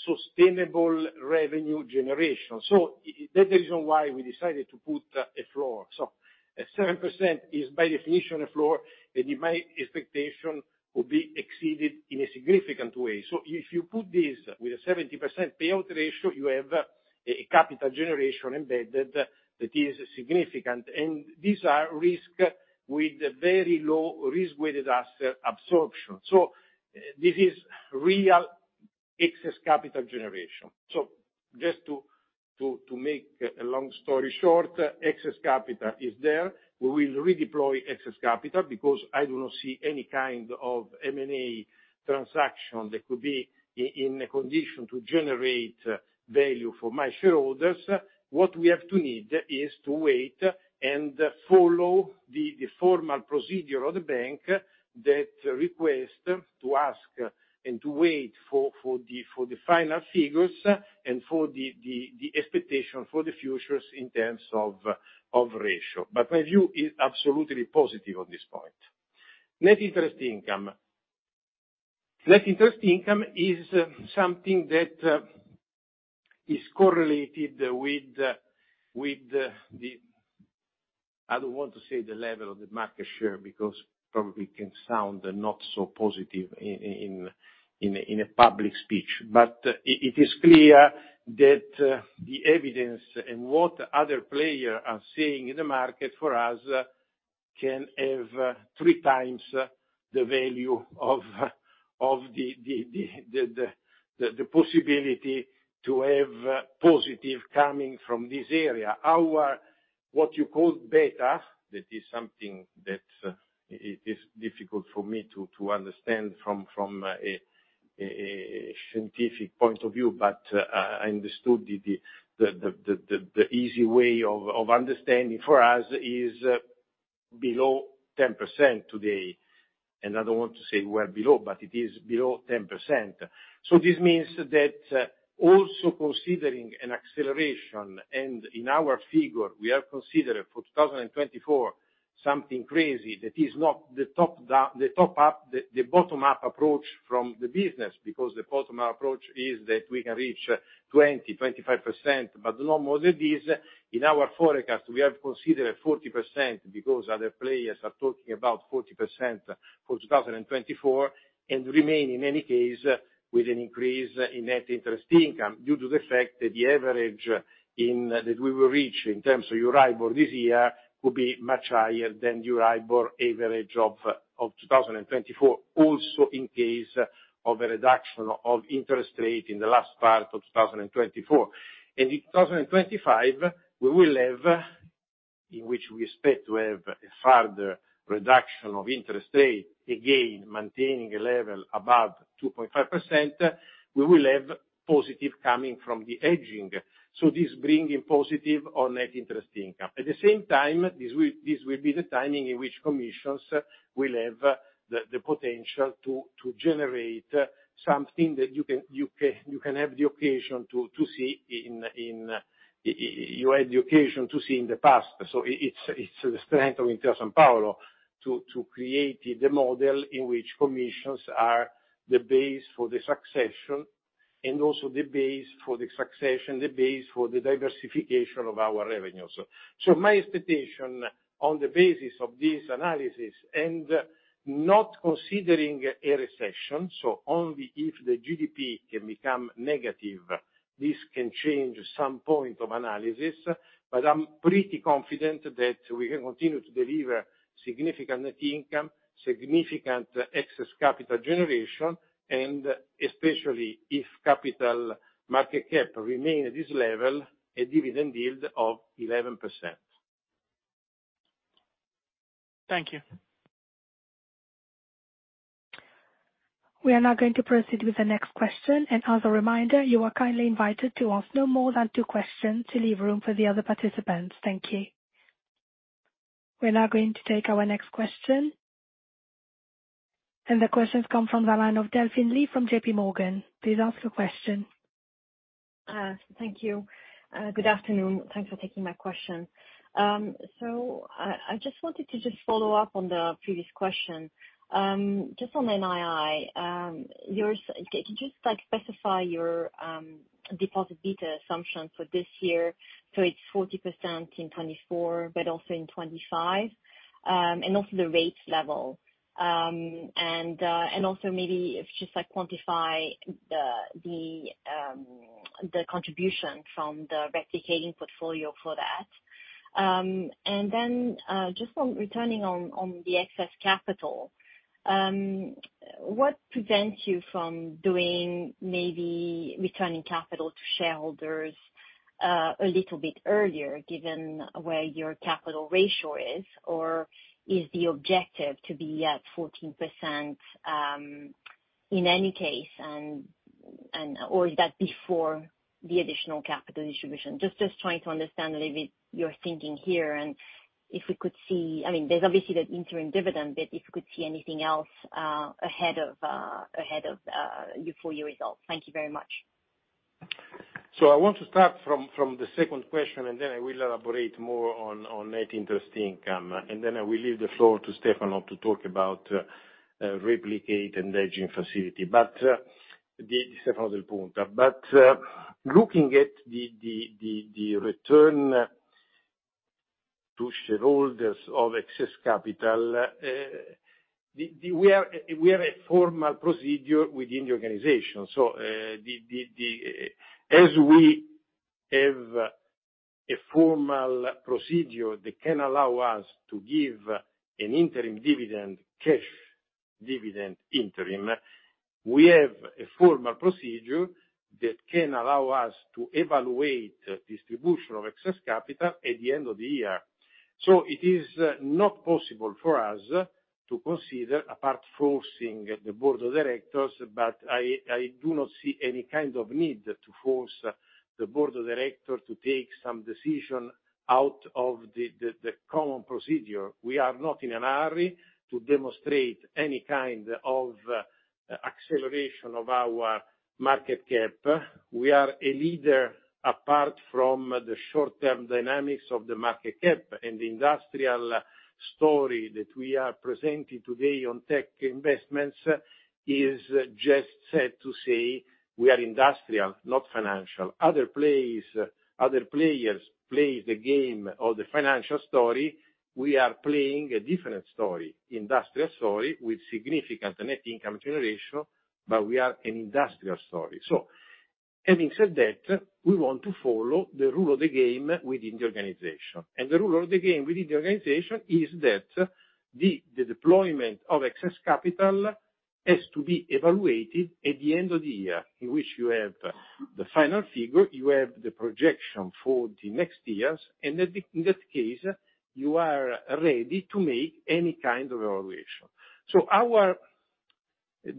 sustainable revenue generation. That's the reason why we decided to put a floor. 7% is, by definition, a floor, and in my expectation, will be exceeded in a significant way. If you put this with a 70% payout ratio, you have a capital generation embedded that is significant. These are risk with very low risk-weighted asset absorption. This is real excess capital generation. Just to make a long story short, excess capital is there. We will redeploy excess capital, because I do not see any kind of M&A transaction that could be in a condition to generate value for my shareholders. What we have to need is to wait and follow the formal procedure of the bank that request to ask and to wait for the final figures and for the expectation for the futures in terms of ratio. My view is absolutely positive on this point. Net interest income. Net interest income is something that is correlated with the. I don't want to say the level of the market share, because probably can sound not so positive in a public speech. It is clear that the evidence and what other players are seeing in the market for us can have 3x the value of, of the, the, the, the, the, the possibility to have positive coming from this area. Our, what you call beta, that is something that it is difficult for me to understand from, from a scientific point of view, but I understood the, the, the, the, the, the easy way of understanding for us is below 10% today, and I don't want to say we're below, but it is below 10%. This means that, also considering an acceleration, and in our figure, we have considered for 2024, something crazy that is not the top down, the top up, the, the bottom-up approach from the business, because the bottom-up approach is that we can reach 20%-25%, but no more than this. In our forecast, we have considered 40% because other players are talking about 40% for 2024, and remain, in any case, with an increase in net interest income due to the fact that the average in that we will reach in terms of EURIBOR this year, will be much higher than the EURIBOR average of, of 2024. Also, in case of a reduction of interest rate in the last part of 2024. In 2025, we will have, in which we expect to have a further reduction of interest rate, again, maintaining a level above 2.5%. We will have positive coming from the hedging, so this bringing positive on net interest income. At the same time, this will be the timing in which commissions will have the potential to generate something that you can, you can, you can have the occasion to see in you had the occasion to see in the past. It's, it's the strength of Intesa Sanpaolo to create the model in which commissions are the base for the succession, and also the base for the succession, the base for the diversification of our revenues. My expectation on the basis of this analysis, and not considering a recession, only if the GDP can become negative, this can change some point of analysis. I'm pretty confident that we can continue to deliver significant net income, significant excess capital generation, and especially if capital market cap remain at this level, a dividend yield of 11%. Thank you. We are now going to proceed with the next question, and as a reminder, you are kindly invited to ask no more than two questions to leave room for the other participants. Thank you. We're now going to take our next question. The question comes from the line of Delphine Lee from J.P. Morgan. Please ask your question. Thank you. Good afternoon. Thanks for taking my question. I, I just wanted to just follow up on the previous question. Just on NII, could you, like, specify your deposit beta assumption for this year? It's 40% in 2024, but also in 2025, and also the rate level. Also maybe if you just, like, quantify the contribution from the replicating portfolio for that. Then, just on returning on, on the excess capital, what prevents you from doing maybe returning capital to shareholders a little bit earlier, given where your capital ratio is? Or is the objective to be at 14% in any case, and, or is that before the additional capital distribution? Just trying to understand a little bit your thinking here, I mean, there's obviously the interim dividend, if we could see anything else, ahead of your full year results. Thank you very much. I want to start from, from the second question, and then I will elaborate more on, on net interest income, and then I will leave the floor to Stefano to talk about replicate and edging facility. Stefano Del Punta. Looking at the return to shareholders of excess capital, we are, we have a formal procedure within the organization. As we have a formal procedure that can allow us to give an interim dividend, cash dividend interim, we have a formal procedure that can allow us to evaluate distribution of excess capital at the end of the year. It is not possible for us to consider, apart forcing the board of directors, but I do not see any kind of need to force the board of directors to take some decision out of the common procedure. We are not in a hurry to demonstrate any kind of acceleration of our market cap. We are a leader, apart from the short-term dynamics of the market cap, and the industrial story that we are presenting today on tech investments is just set to say we are industrial, not financial. Other players play the game or the financial story, we are playing a different story, industrial story, with significant net income generation, but we are an industrial story. Having said that, we want to follow the rule of the game within the organization. The rule of the game within the organization is that the deployment of excess capital has to be evaluated at the end of the year, in which you have the final figure, you have the projection for the next years, and in that case, you are ready to make any kind of evaluation. Our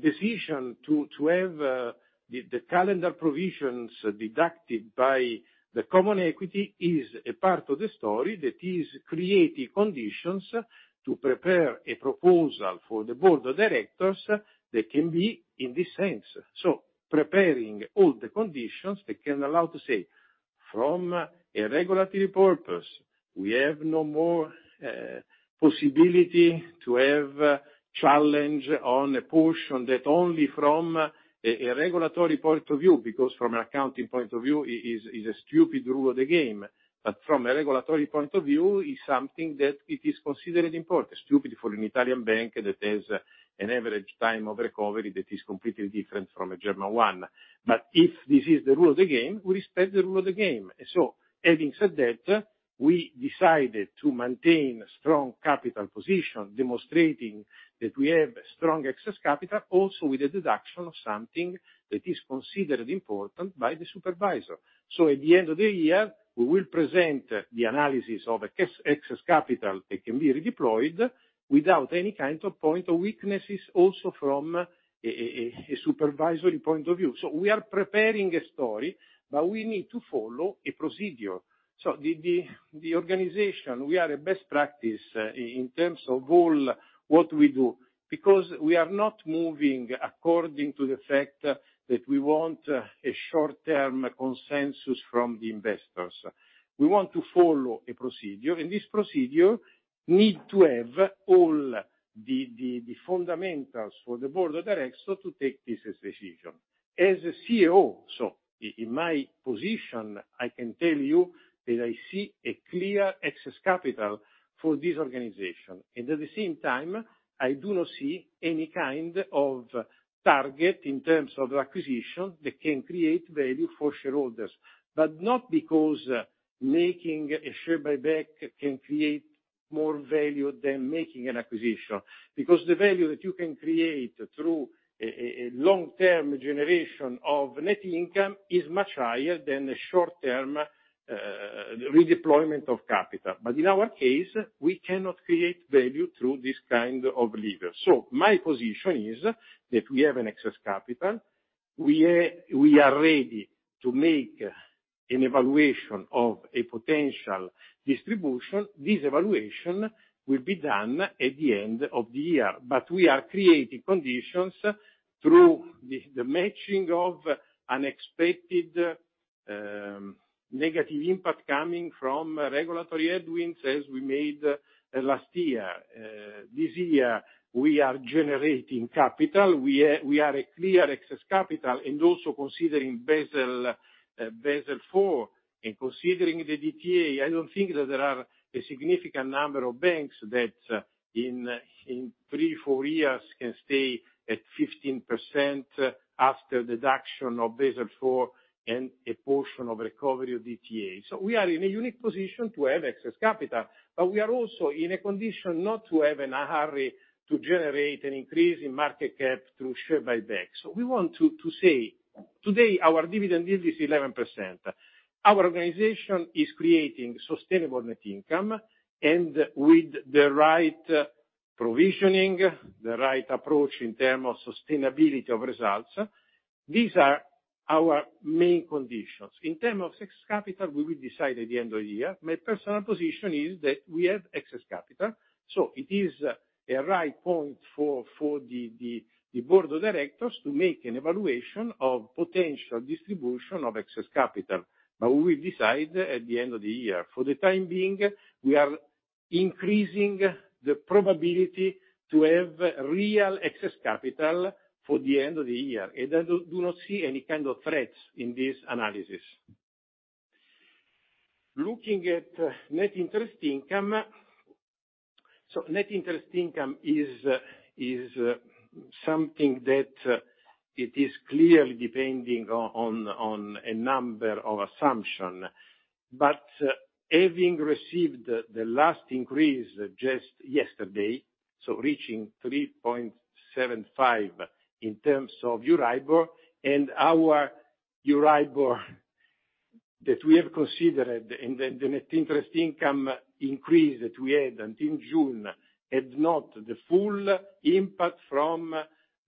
decision to have the calendar provisions deducted by the common equity is a part of the story that is creating conditions to prepare a proposal for the board of directors that can be in this sense. Preparing all the conditions that can allow to say, from a regulatory purpose, we have no more possibility to have challenge on a portion that only from a regulatory point of view, because from an accounting point of view, is a stupid rule of the game. From a regulatory point of view, is something that it is considered important. Stupid for an Italian bank that has an average time of recovery that is completely different from a German one. If this is the rule of the game, we respect the rule of the game. Having said that, we decided to maintain a strong capital position, demonstrating that we have strong excess capital, also with a deduction of something that is considered important by the supervisor. At the end of the year, we will present the analysis of excess capital that can be redeployed without any kind of point of weaknesses, also from a supervisory point of view. We are preparing a story, but we need to follow a procedure. The, the, the organization, we are a best practice in terms of all what we do, because we are not moving according to the fact that we want a short-term consensus from the investors. We want to follow a procedure, and this procedure need to have all the, the, the fundamentals for the board of directors to take this decision. As a CEO, in my position, I can tell you that I see a clear excess capital for this organization, and at the same time, I do not see any kind of target in terms of acquisition that can create value for shareholders. Not because making a share buyback can create more value than making an acquisition, because the value that you can create through a, a, a long-term generation of net income is much higher than a short-term redeployment of capital. In our case, we cannot create value through this kind of lever. My position is that we have an excess capital. We are ready to make an evaluation of a potential distribution. This evaluation will be done at the end of the year. We are creating conditions through the matching of unexpected negative impact coming from regulatory headwinds, as we made last year. This year, we are generating capital. We are a clear excess capital, and also considering Basel IV and considering the DTA, I don't think that there are a significant number of banks that in three, four years can stay at 15% after deduction of Basel IV and a portion of recovery of DTA. We are in a unique position to have excess capital, but we are also in a condition not to have in a hurry to generate an increase in market cap through share buyback. We want to say, today, our dividend yield is 11%. Our organization is creating sustainable net income, and with the right provisioning, the right approach in term of sustainability of results, these are our main conditions. In term of excess capital, we will decide at the end of the year. My personal position is that we have excess capital, so it is a right point for the board of directors to make an evaluation of potential distribution of excess capital. We will decide at the end of the year. For the time being, we are increasing the probability to have real excess capital for the end of the year. I do not see any kind of threats in this analysis. Looking at net interest income, net interest income is something that it is clearly depending on a number of assumptions. Having received the last increase just yesterday, reaching 3.75 in terms of EURIBOR, and our EURIBOR that we have considered and the net interest income increase that we had until June, had not the full impact from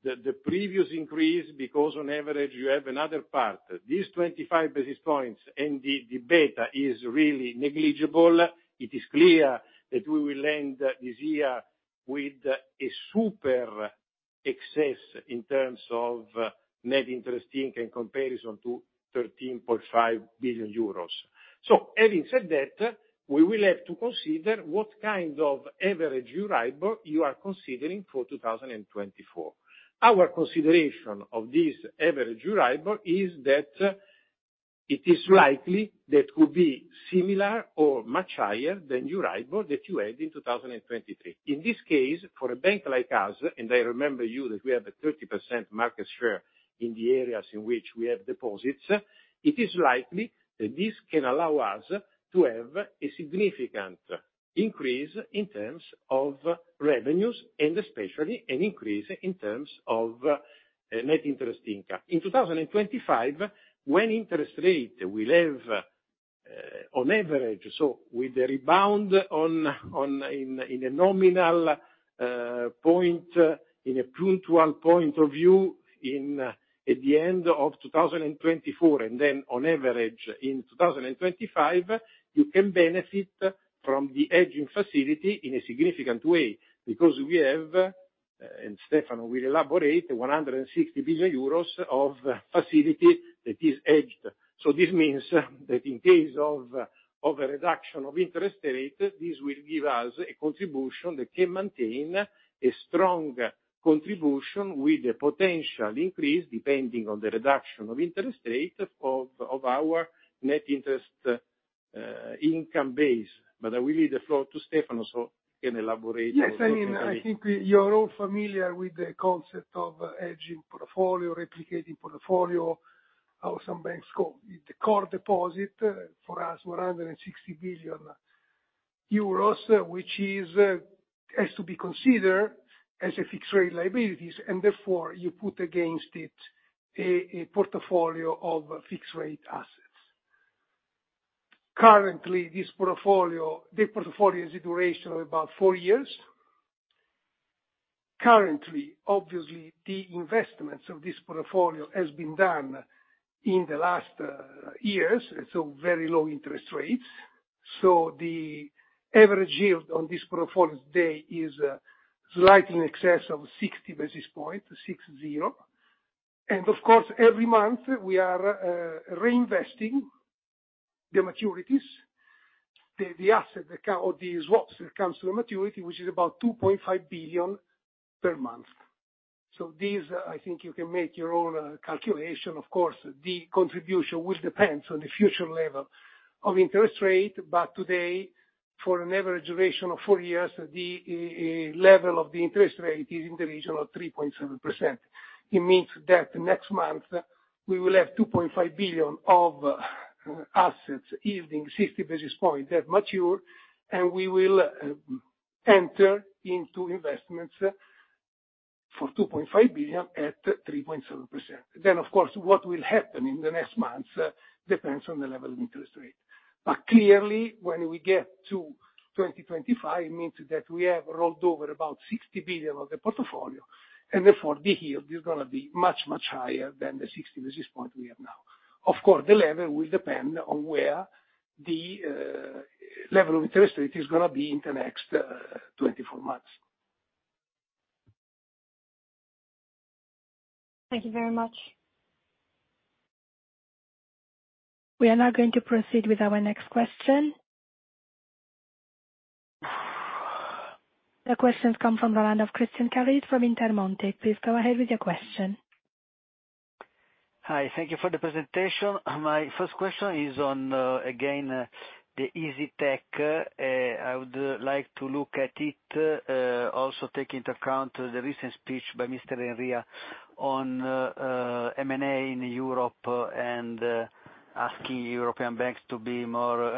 the previous increase, because on average, you have another part. These 25 basis points and the beta is really negligible. It is clear that we will end this year with a super excess in terms of net interest income in comparison to 13.5 billion euros. Having said that, we will have to consider what kind of average EURIBOR you are considering for 2024. Our consideration of this average EURIBOR is. It is likely that will be similar or much higher than EURIBOR that you had in 2023. In this case, for a bank like us, and I remember you that we have a 30% market share in the areas in which we have deposits, it is likely that this can allow us to have a significant increase in terms of revenues, and especially an increase in terms of net interest income. In 2025, when interest rate will have, on average, so with the rebound on, on, in, in a nominal point, in a punctual point of view, in, at the end of 2024, and then on average in 2025, you can benefit from the hedging facility in a significant way. We have, and Stefano will elaborate, 160 billion euros of facility that is hedged. This means that in case of, of a reduction of interest rate, this will give us a contribution that can maintain a strong contribution with a potential increase, depending on the reduction of interest rate of, of our net interest income base. I will leave the floor to Stefano, so he can elaborate. Yes, I mean, I think you're all familiar with the concept of hedging portfolio, replicating portfolio, how some banks call it. The core deposit for us, 160 billion euros, which is has to be considered as a fixed-rate liabilities, and therefore you put against it a portfolio of fixed-rate assets. Currently, the portfolio is a duration of about four years. Currently, obviously, the investments of this portfolio has been done in the last years, so very low interest rates. So the average yield on this portfolio today is slightly in excess of 60 basis points, 60. Of course, every month, we are reinvesting the maturities, the asset, or the swaps that comes to a maturity, which is about 2.5 billion per month. So this, I think you can make your own calculation. The contribution, which depends on the future level of interest rate, but today, for an average duration of four years, the level of the interest rate is in the region of 3.7%. It means that next month, we will have 2.5 billion of assets yielding 60 basis points that mature, and we will enter into investments for 2.5 billion at 3.7%. Of course, what will happen in the next months depends on the level of interest rate. Clearly, when we get to 2025, it means that we have rolled over about 60 billion of the portfolio, and therefore the yield is gonna be much, much higher than the 60 basis point we have now. Of course, the level will depend on where the level of interest rate is gonna be in the next 24 months. Thank you very much. We are now going to proceed with our next question. The question come from the line of Christian Carrese from Intermonte. Please go ahead with your question. Hi, thank you for the presentation. My first question is on, again, the Isytech. I would like to look at it, also take into account the recent speech by Mr. Enria on M&A in Europe, asking European banks to be more,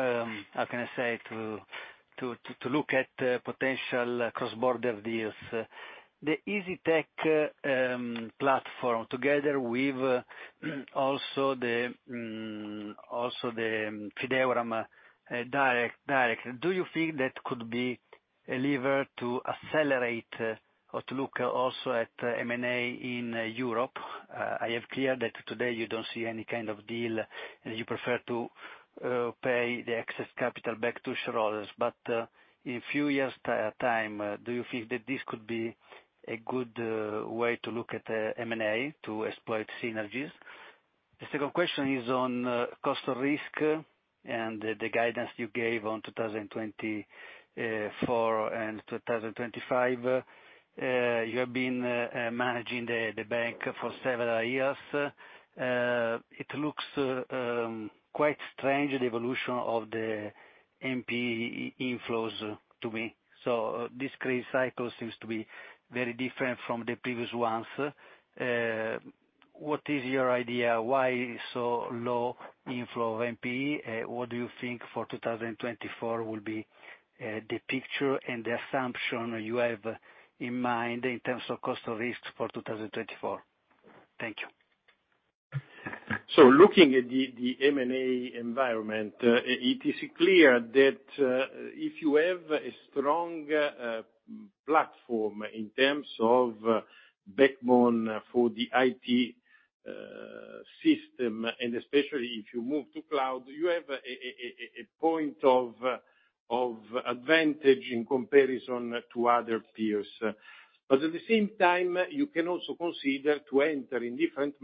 how can I say? To look at potential cross-border deals. The Isytech platform, together with, also the Fideuram, Direct, Direct. Do you think that could be a lever to accelerate or to look also at M&A in Europe? I have clear that today you don't see any kind of deal, and you prefer to pay the excess capital back to shareholders. In few years time, do you think that this could be a good way to look at M&A to exploit synergies? The second question is on cost of risk and the guidance you gave on 2024 and 2025. You have been managing the bank for several years. It looks quite strange, the evolution of the NPE inflows to me. This create cycle seems to be very different from the previous ones. What is your idea? Why so low inflow of NPE? What do you think for 2024 will be the picture and the assumption you have in mind in terms of cost of risks for 2024? Thank you. Looking at the, the M&A environment, it is clear that, if you have a strong, platform in terms of backbone for the IT, system, and especially if you move to cloud, you have a, a, a, a point of, of advantage in comparison to other peers. At the same time, you can also consider to enter in different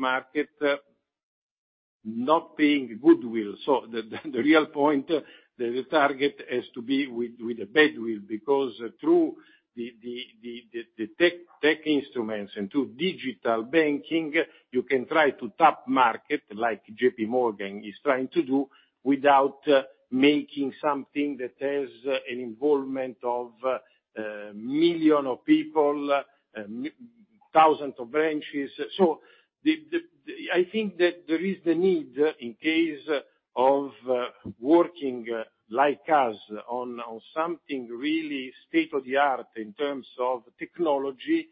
not being goodwill. The, the, the real point, the, the target has to be with, with the goodwill, because through the, the, the, the tech, tech instruments and through digital banking, you can try to tap market, like J.P. Morgan is trying to do, without making something that has an involvement of, million of people, thousand of branches. The, the, I think that there is the need, in case of working like us on, on something really state-of-the-art in terms of technology,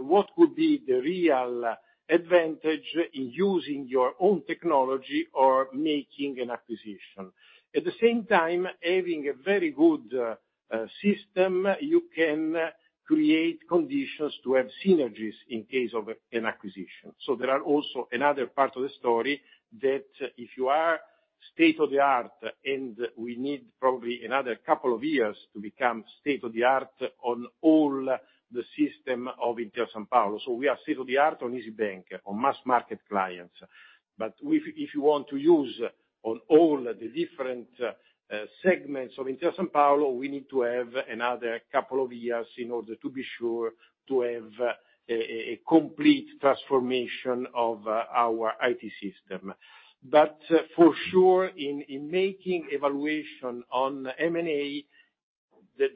what could be the real advantage in using your own technology or making an acquisition? At the same time, having a very good system, you can create conditions to have synergies in case of an acquisition. There are also another part of the story, that if you are state-of-the-art, and we need probably another couple of years to become state-of-the-art on all the system of Intesa Sanpaolo. We are state-of-the-art on Isybank, on mass market clients, but if, if you want to use on all the different segments of Intesa Sanpaolo, we need to have another couple of years in order to be sure to have, a, a, a complete transformation of our IT system. For sure, in making evaluation on M&A,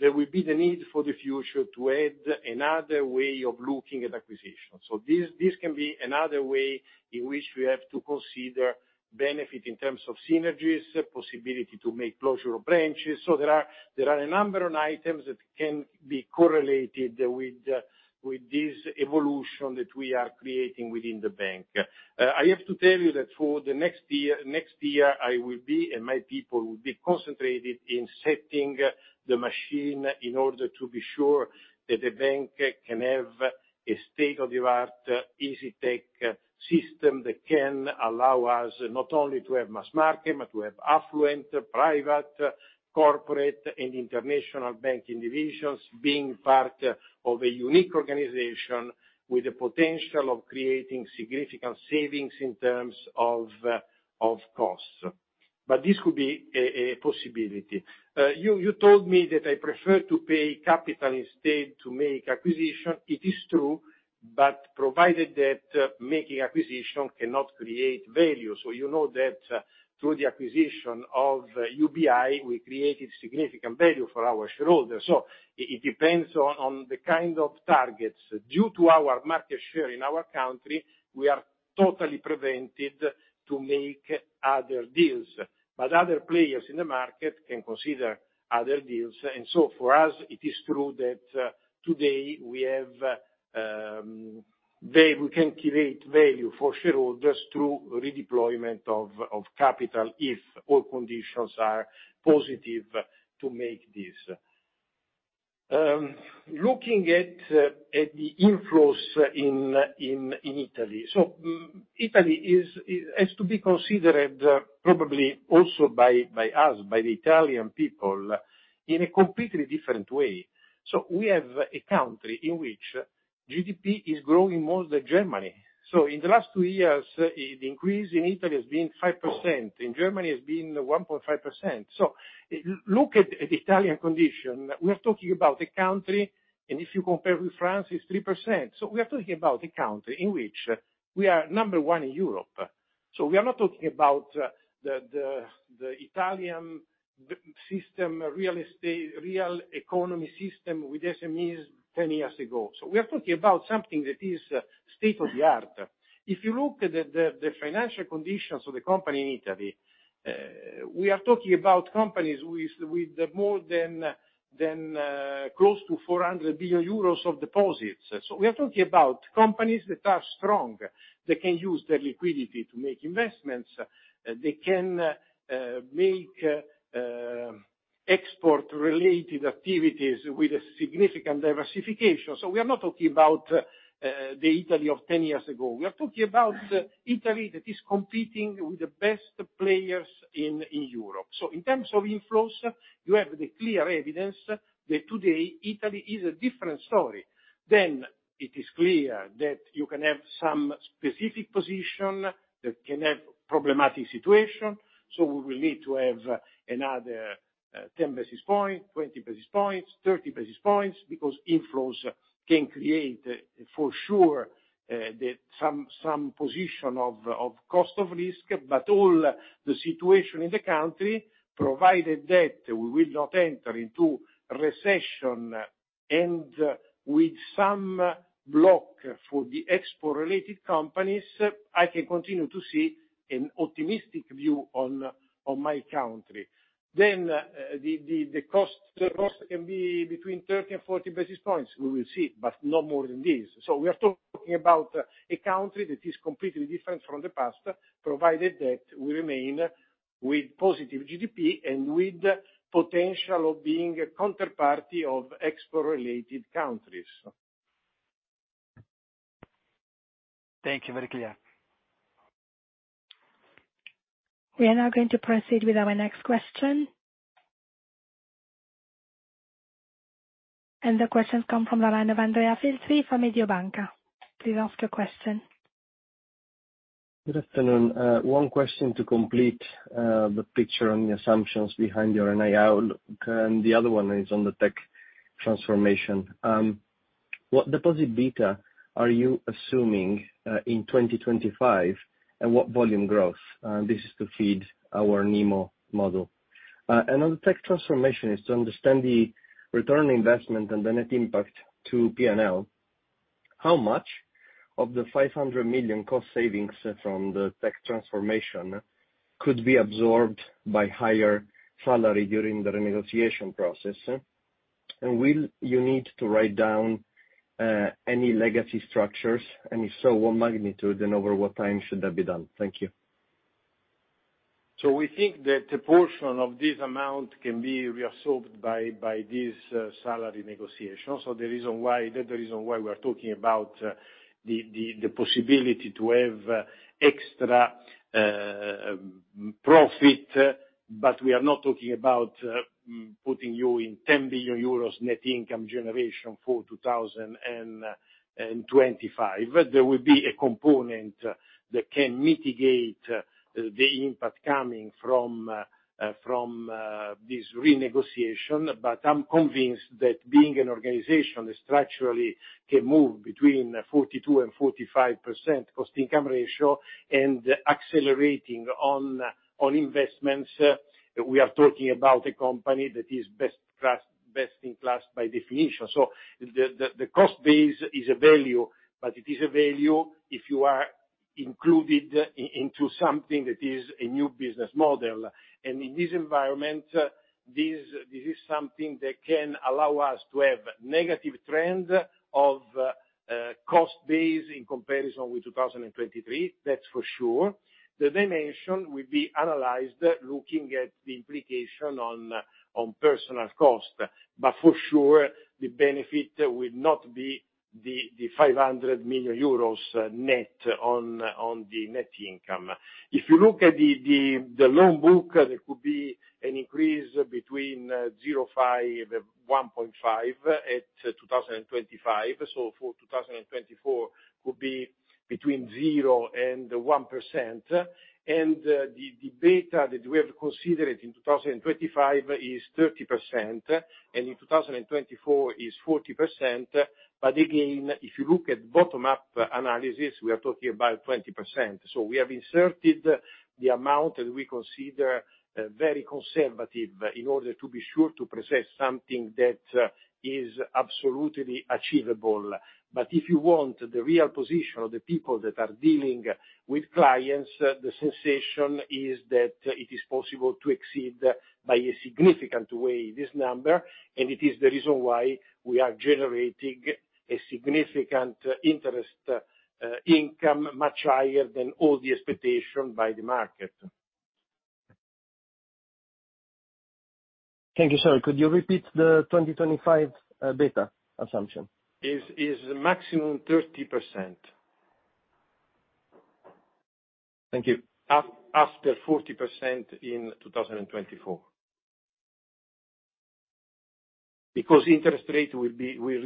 there will be the need for the future to add another way of looking at acquisitions. This can be another way in which we have to consider benefit in terms of synergies, possibility to make closure of branches. There are a number of items that can be correlated with this evolution that we are creating within the bank. I have to tell you that for the next year, next year, I will be, and my people will be concentrated in setting the machine in order to be sure that the bank can have a state-of-the-art, Isytech system that can allow us not only to have mass market, but to have affluent, private, corporate, and international banking divisions. Being part of a unique organization with the potential of creating significant savings in terms of, of costs. This could be a, a possibility. You, you told me that I prefer to pay capital instead to make acquisition. It is true, but provided that making acquisition cannot create value. You know that through the acquisition of UBI, we created significant value for our shareholders. It, it depends on, on the kind of targets. Due to our market share in our country, we are totally prevented to make other deals, but other players in the market can consider other deals. For us, it is true that today, we have, We can create value for shareholders through redeployment of, of capital, if all conditions are positive to make this. Looking at the inflows in, in, in Italy. Italy is has to be considered, probably also by us, by the Italian people, in a completely different way. We have a country in which GDP is growing more than Germany. In the last two years, the increase in Italy has been 5%, in Germany, has been 1.5%. Look at the Italian condition. We are talking about a country, and if you compare with France, it's 3%. We are talking about a country in which we are number one in Europe. We are not talking about the Italian system, real estate, real economy system with SMEs 10 years ago. We are talking about something that is state-of-the-art. If you look at the, the financial conditions of the company in Italy, we are talking about companies with, with more than, than, close to 400 billion euros of deposits. We are talking about companies that are strong, that can use their liquidity to make investments. They can make export-related activities with a significant diversification. We are not talking about the Italy of 10 years ago. We are talking about Italy that is competing with the best players in, in Europe. In terms of inflows, you have the clear evidence that today, Italy is a different story. It is clear that you can have some specific position, that can have problematic situation, so we will need to have another, 10 basis points, 20 basis points, 30 basis points, because inflows can create, for sure, some position of cost of risk. All the situation in the country, provided that we will not enter into recession and with some block for the export-related companies, I can continue to see an optimistic view on my country. The cost can be between 30 and 40 basis points. We will see, but no more than this. We are talking about a country that is completely different from the past, provided that we remain with positive GDP and with potential of being a counterparty of export-related countries. Thank you. Very clear. We are now going to proceed with our next question. The question comes from the line of Andrea Filtri from Mediobanca. Please ask your question. Good afternoon. One question to complete the picture on the assumptions behind your NII outlook. The other one is on the tech transformation. What deposit beta are you assuming in 2025? What volume growth? This is to feed our NeMo model. On the tech transformation is to understand the return on investment and the net impact to P&L, how much of the 500 million cost savings from the tech transformation could be absorbed by higher salary during the renegotiation process? Will you need to write down any legacy structures? If so, what magnitude, and over what time should that be done? Thank you. We think that a portion of this amount can be reabsorbed by, by this salary negotiation. The reason why, the reason why we are talking about the, the, the possibility to have extra profit, but we are not talking about putting you in 10 billion euros net income generation for 2025. There will be a component that can mitigate the impact coming from from this renegotiation. I'm convinced that being an organization that structurally can move between 42%-45% cost-income ratio and accelerating on, on investments, we are talking about a company that is best class, best in class by definition. The, the, the cost base is a value, but it is a value if you are included into something that is a new business model. In this environment, this, this is something that can allow us to have negative trend of cost base in comparison with 2023, that's for sure. The dimension will be analyzed, looking at the implication on personal cost, but for sure, the benefit will not be the 500 million euros net on the net income. If you look at the loan book, there could be an increase between 0.5% and 1.5% at 2025. For 2024, could be between 0% and 1%. The beta that we have considered in 2025 is 30%, and in 2024 is 40%. Again, if you look at bottom-up analysis, we are talking about 20%. We have inserted the amount that we consider, very conservative, in order to be sure to present something that is absolutely achievable. If you want the real position of the people that are dealing with clients, the sensation is that it is possible to exceed by a significant way, this number, and it is the reason why we are generating a significant interest income, much higher than all the expectation by the market. Thank you. Sorry, could you repeat the 2025 beta assumption? Is maximum 30%. Thank you. After 40% in 2024. Interest rate will be, will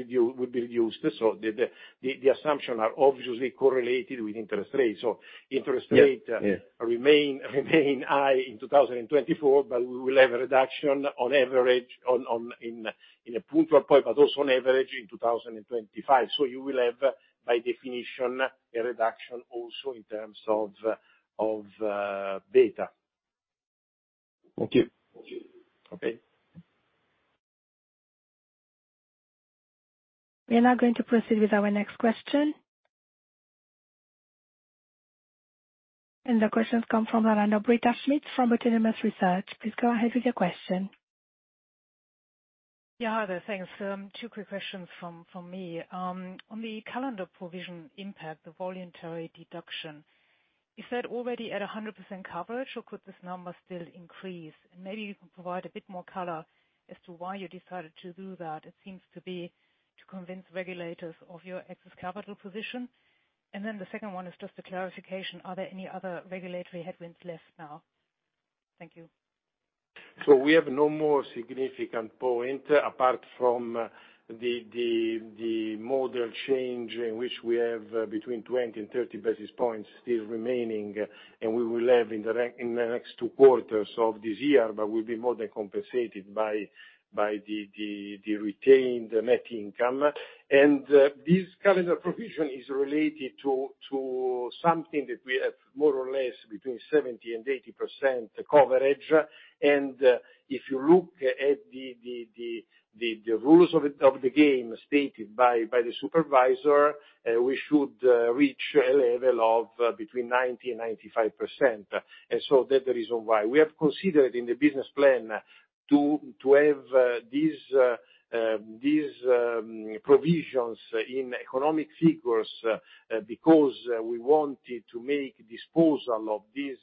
be reduced, the assumption are obviously correlated with interest rates. Interest rate-remain high in 2024, but we will have a reduction on average, a point per point, but also on average in 2025. So you will have, by definition, a reduction also in terms of beta. Thank you. Okay. We are now going to proceed with our next question. The question come from the line of Britta Schmidt from Autonomous Research. Please go ahead with your question. Yeah, hi there. Thanks. Two quick questions from me. On the calendar provision impact, the voluntary deduction, is that already at 100% coverage, or could this number still increase? Maybe you can provide a bit more color as to why you decided to do that. It seems to be to convince regulators of your excess capital position. The second one is just a clarification: Are there any other regulatory headwinds left now? Thank you. We have no more significant point, apart from the model change, in which we have between 20 and 30 basis points still remaining, and we will have in the next two quarters of this year, but will be more than compensated by the retained net income. This calendar provision is related to something that we have more or less between 70% and 80% coverage. If you look at the rules of the game stated by the supervisor, we should reach a level of between 90% and 95%. That's the reason why we have considered in the business plan to have these, these provisions in economic figures because we wanted to make disposal of these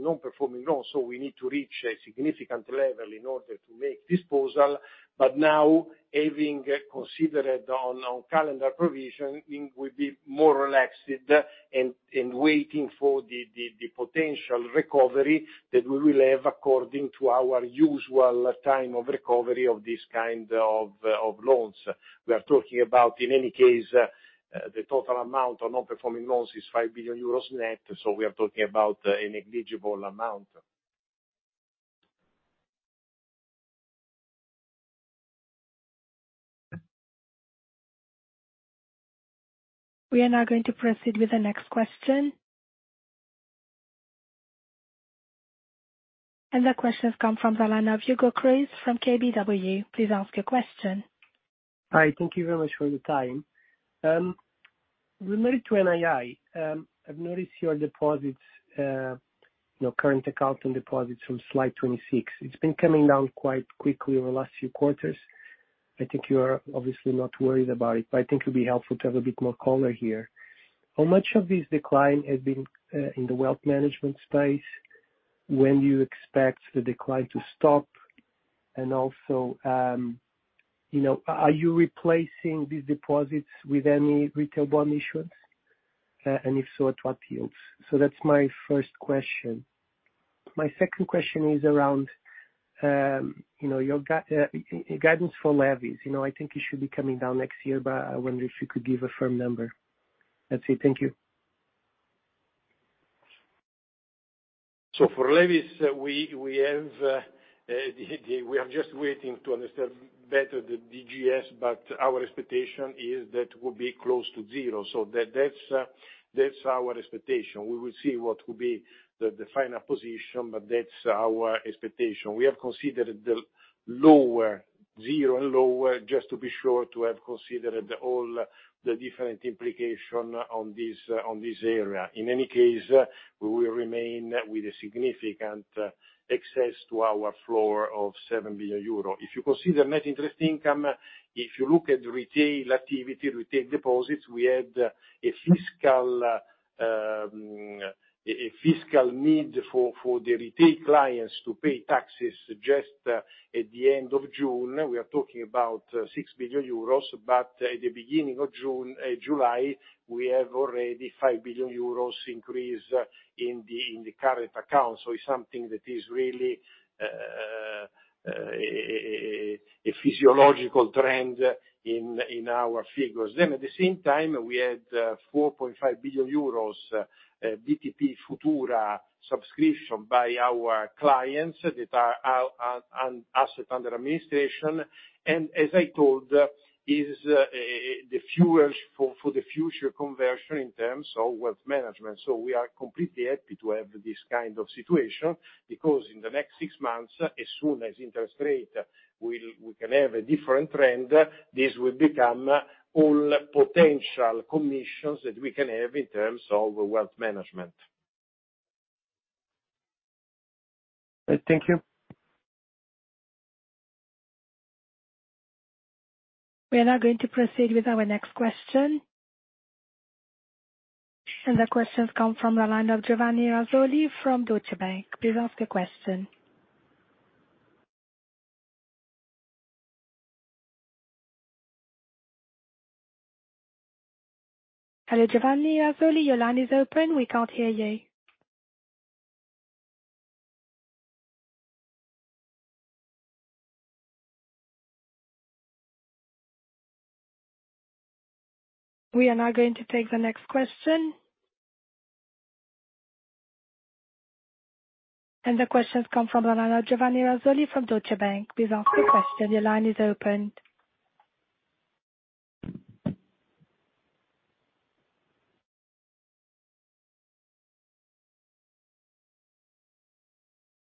non-performing loans, so we need to reach a significant level in order to make disposal. Now, having considered on calendar provisioning, we will be more relaxed and waiting for the potential recovery that we will have according to our usual time of recovery of this kind of loans. We are talking about, in any case, the total amount of non-performing loans is 5 billion euros net, so we are talking about a negligible amount. We are now going to proceed with the next question. The question has come from the line of Hugo Cruz from KBW. Please ask your question. Hi, thank you very much for your time. Related to NII, I've noticed your deposits, your current account and deposits from slide 26. It's been coming down quite quickly over the last few quarters. I think you are obviously not worried about it, but I think it'd be helpful to have a bit more color here. How much of this decline has been in the wealth management space, when do you expect the decline to stop? Also, you know, are you replacing these deposits with any retail bond issuance? If so, at what yields? That's my first question. My second question is around, you know, your guidance for levies. You know, I think it should be coming down next year, but I wonder if you could give a firm number. That's it. Thank you. For levies, we, we have, we are just waiting to understand better the DGS, but our expectation is that will be close to zero. That's, that's our expectation. We will see what will be the final position, but that's our expectation. We have considered the lower, zero and lower, just to be sure to have considered all the different implications on this, on this area. In any case, we will remain with a significant access to our floor of 7 billion euro. If you consider Net interest income, if you look at retail activity, retail deposits, we had a fiscal, a fiscal need for, for the retail clients to pay taxes just at the end of June. We are talking about 6 billion euros, at the beginning of June, July, we have already 5 billion euros increase in the current account. It's something that is really a physiological trend in our figures. At the same time, we had 4.5 billion euros BTP Futura subscription by our clients that are asset under administration. As I told, is the fuels for the future conversion in terms of wealth management. We are completely happy to have this kind of situation, because in the next six months, as soon as interest rate, we can have a different trend, this will become all potential commissions that we can have in terms of wealth management. Thank you. We are now going to proceed with our next question. The question's come from the line of Giovanni Razzoli from Deutsche Bank. Please ask your question. Hello, Giovanni Razzoli, your line is open. We can't hear you. We are now going to take the next question. The question's come from the line of Giovanni Razzoli from Deutsche Bank. Please ask your question. Your line is open.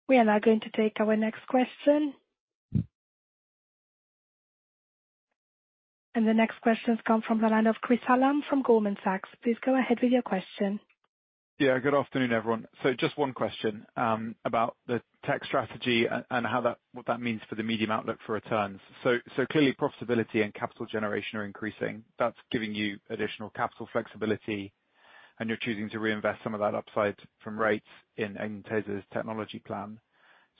We are now going to take our next question. The next question's come from the line of Chris Hallam from Goldman Sachs. Please go ahead with your question. Yeah, good afternoon, everyone. Just one question about the tech strategy and how that, what that means for the medium outlook for returns. Clearly, profitability and capital generation are increasing. That's giving you additional capital flexibility, and you're choosing to reinvest some of that upside from rates in Intesa's technology plan.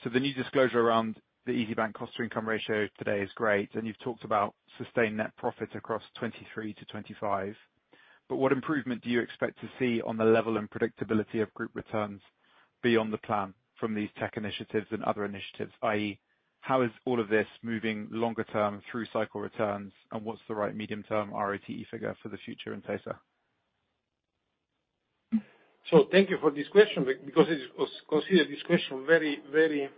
The new disclosure around the Isybank cost-income ratio today is great, and you've talked about sustained net profits across 2023 to 2025. What improvement do you expect to see on the level and predictability of group returns beyond the plan from these tech initiatives and other initiatives, i.e., how is all of this moving longer term through cycle returns, and what's the right medium-term ROTE figure for the future in Intesa? Thank you for this question, because it's, consider this question very, very,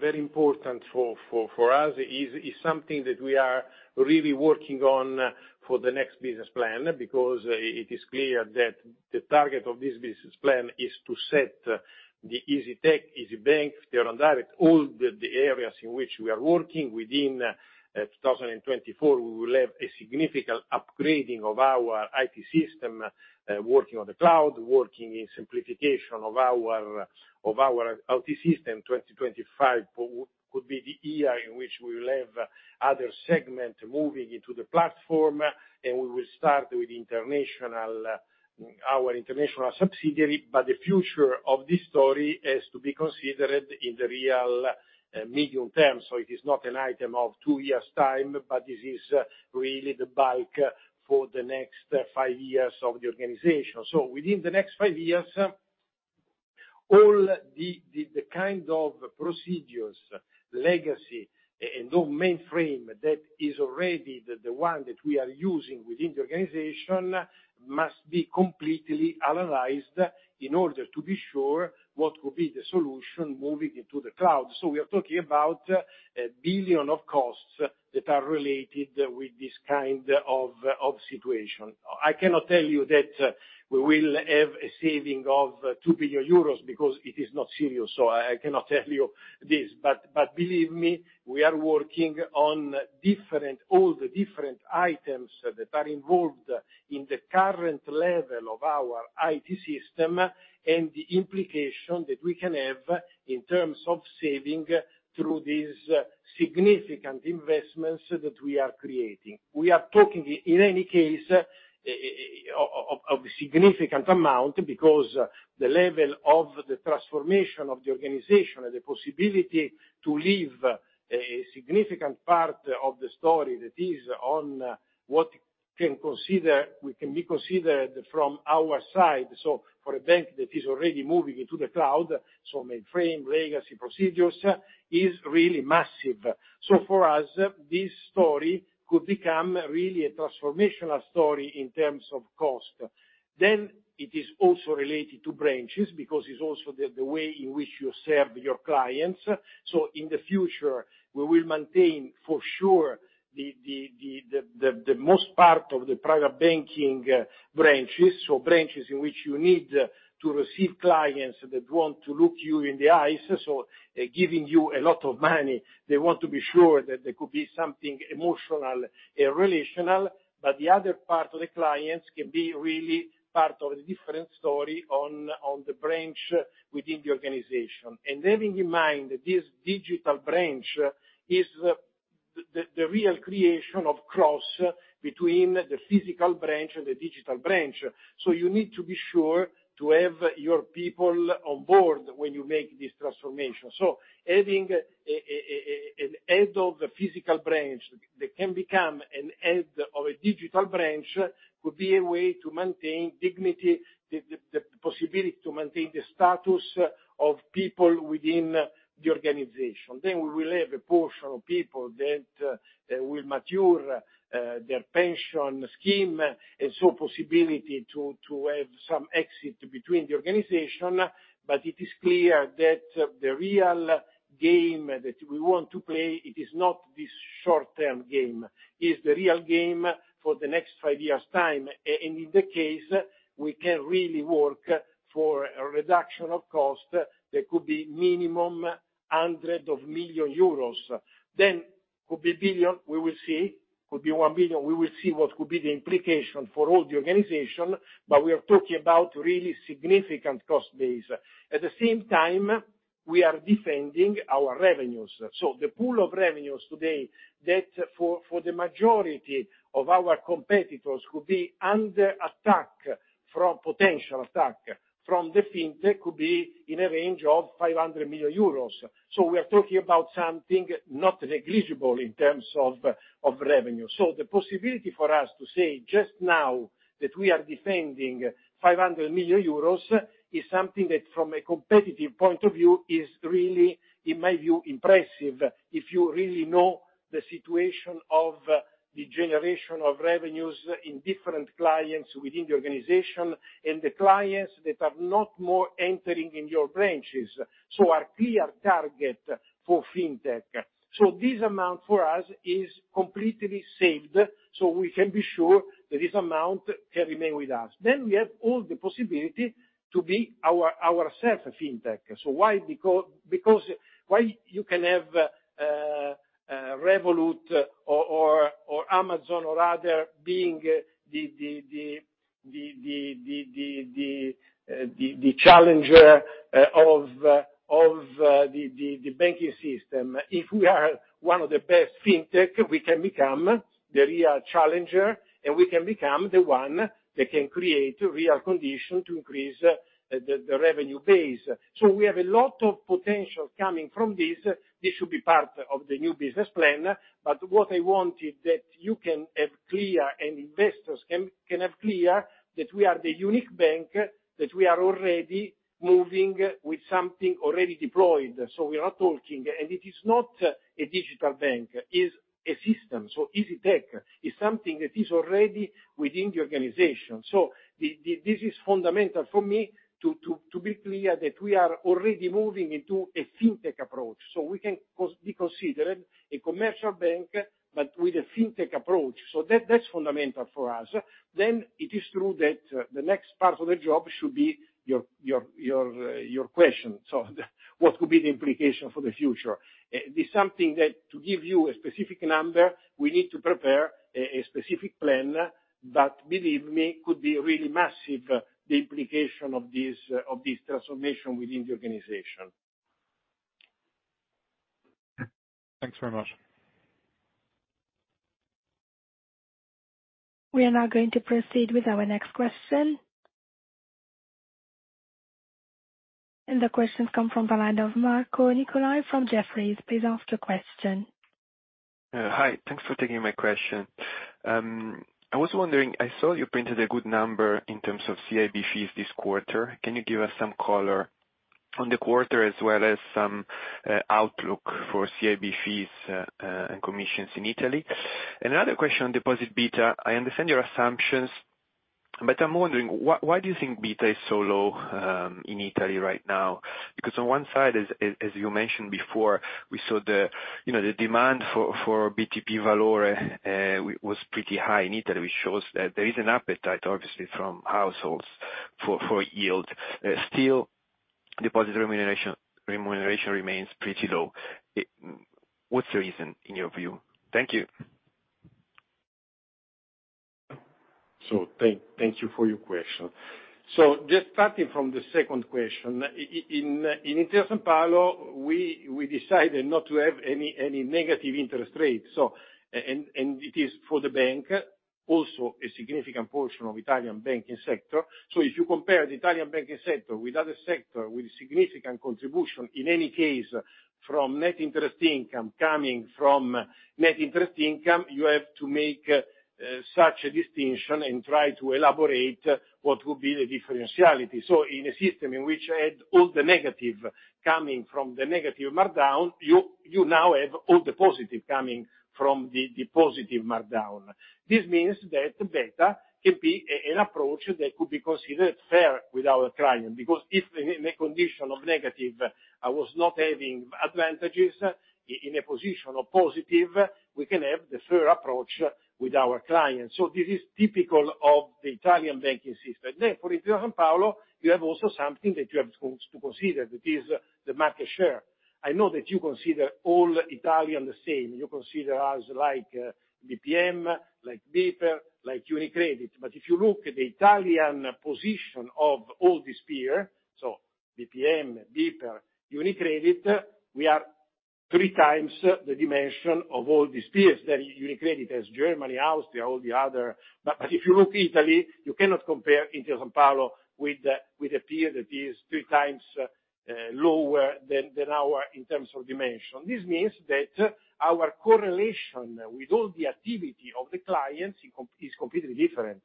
very important for, for, for us. It is, it's something that we are really working on for the next business plan, because it is clear that the target of this business plan is to set the Isytech, Isybank, Direct, all the, the areas in which we are working within 2024, we will have a significant upgrading of our IT system, working on the cloud, working in simplification of our, of our IT system. 2025 could be the year in which we will have other segment moving into the platform, and we will start with international, our international subsidiary. The future of this story is to be considered in the real medium term. It is not an item of two years' time, but this is really the bulk for the next five years of the organization. Within the next five years, all the kind of procedures, legacy, and no mainframe that is already the one that we are using within the organization, must be completely analyzed in order to be sure what will be the solution moving into the cloud. We are talking about 1 billion of costs that are related with this kind of situation. I cannot tell you that we will have a saving of 2 billion euros because it is not serious. I cannot tell you this, but believe me, we are working on different, all the different items that are involved in the current level of our IT system, and the implication that we can have in terms of saving through these significant investments that we are creating. We are talking, in any case, of a significant amount, because the level of the transformation of the organization and the possibility to leave a significant part of the story that is on, what we can be considered from our side. For a bank that is already moving into the cloud, mainframe, legacy procedures, is really massive. For us, this story could become really a transformational story in terms of cost. It is also related to branches, because it's also the way in which you serve your clients. In the future, we will maintain, for sure, the most part of the private banking branches, so branches in which you need to receive clients that want to look you in the eyes, or giving you a lot of money, they want to be sure that there could be something emotional and relational. The other part of the clients can be really part of a different story on the branch within the organization. Having in mind, this digital branch is the real creation of cross between the physical branch and the digital branch, so you need to be sure to have your people on board when you make this transformation. Having an head of the physical branch that can become an head of a digital branch, could be a way to maintain dignity, the possibility to maintain the status of people within the organization. We will have a portion of people that will mature their pension scheme, and so possibility to have some exit between the organization. It is clear that the real game that we want to play, it is not this short-term game. It's the real game for the next five years' time, and in the case, we can really work for a reduction of cost that could be minimum 100 million euros. Could be billion, we will see. Could be 1 billion, we will see what could be the implication for all the organization, but we are talking about really significant cost base. At the same time, we are defending our revenues. The pool of revenues today, that for the majority of our competitors, could be under attack from potential attack from the fintech, could be in a range of 500 million euros. We are talking about something not negligible in terms of revenue. The possibility for us to say, just now, that we are defending 500 million euros, is something that, from a competitive point of view, is really, in my view, impressive, if you really know the situation of the generation of revenues in different clients within the organization, and the clients that are not more entering in your branches, so a clear target for fintech. This amount for us is completely saved, so we can be sure that this amount can remain with us. We have all the possibility to be ourself a fintech. Why? Because, because why you can have Revolut or Amazon or other being the challenger of the banking system. If we are one of the best fintech, we can become the real challenger, and we can become the one that can create real condition to increase the revenue base. We have a lot of potential coming from this. This should be part of the new business plan, what I wanted that you can have clear, and investors can have clear, that we are the unique bank, that we are already moving with something already deployed, so we are not talking. It is not a digital bank, is a system, so Isytech, is something that is already within the organization. So this is fundamental for me to, to, to be clear that we are already moving into a fintech approach, so we can be considered a commercial bank, but with a fintech approach. So that, that's fundamental for us. Then it is true that, the next part of the job should be your, your, your, your question. So what could be the implication for the future? This something that, to give you a specific number, we need to prepare a, a specific plan, but believe me, could be really massive, the implication of this, of this transformation within the organization. Thanks very much. We are now going to proceed with our next question. The question come from the line of Marco Nicolai from Jefferies. Please ask the question. Hi, thanks for taking my question. I was wondering, I saw you printed a good number in terms of CIB fees this quarter. Can you give us some color on the quarter as well as some outlook for CIB fees and commissions in Italy? Another question on deposit beta. I understand your assumptions, but I'm wondering why do you think beta is so low in Italy right now? Because on one side, as you mentioned before, we saw the, you know, the demand for BTP Valore was pretty high in Italy, which shows that there is an appetite, obviously, from households for yield. Still, deposit remuneration, remuneration remains pretty low. What's the reason in your view? Thank you. Thank you for your question. Just starting from the second question, in Intesa Sanpaolo, we decided not to have any negative interest rates, so, and it is for the bank, also a significant portion of Italian banking sector. If you compare the Italian banking sector with other sector, with significant contribution, in any case from net interest income, coming from net interest income, you have to make such a distinction and try to elaborate what would be the differentiality. In a system in which I had all the negative coming from the negative markdown, you now have all the positive coming from the positive markdown. This means that beta can be an approach that could be considered fair with our client, because if in a condition of negative, I was not having advantages, in a position of positive, we can have the fair approach with our clients. This is typical of the Italian banking system. For Intesa Sanpaolo, you have also something that you have to consider, that is the market share. I know that you consider all Italian the same. You consider us like BPM, like BPER, like UniCredit. If you look at the Italian position of all these peer, so BPM, BPER, UniCredit, we are 3x the dimension of all these peers, that UniCredit has Germany, Austria, all the other. If you look Italy, you cannot compare Intesa Sanpaolo with a, with a peer that is 3x lower than our in terms of dimension. This means that our correlation with all the activity of the clients is completely different.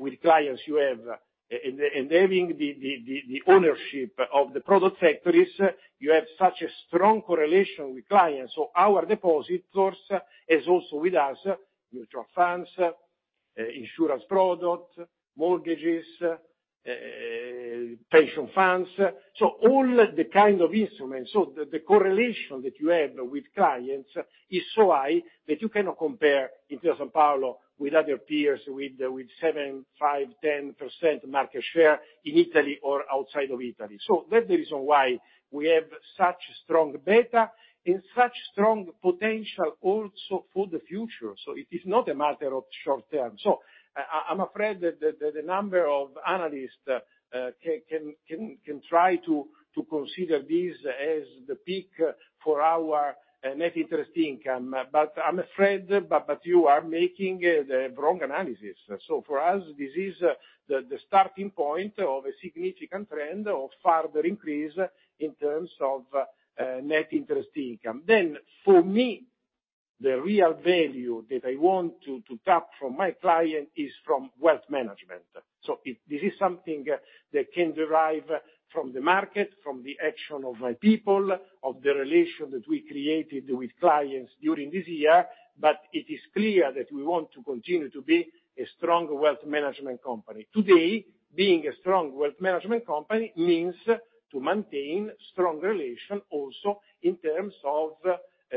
With clients, you have, and having the, the, the, the ownership of the product factories, you have such a strong correlation with clients. Our depositors is also with us, mutual funds, insurance products, mortgages, pension funds, so all the kind of instruments. The, the correlation that you have with clients is so high that you cannot compare Intesa Sanpaolo with other peers, with, with 7%, 5%, 10% market share in Italy or outside of Italy. That's the reason why we have such strong beta and such strong potential also for the future. It is not a matter of short term. I, I, I'm afraid that the number of analysts can try to consider this as the peak for our net interest income, but I'm afraid you are making the wrong analysis. For us, this is the starting point of a significant trend of further increase in terms of net interest income. For me, the real value that I want to tap from my client is from wealth management. This is something that can derive from the market, from the action of my people, of the relation that we created with clients during this year, but it is clear that we want to continue to be a strong wealth management company. Today, being a strong wealth management company means to maintain strong relation also in terms of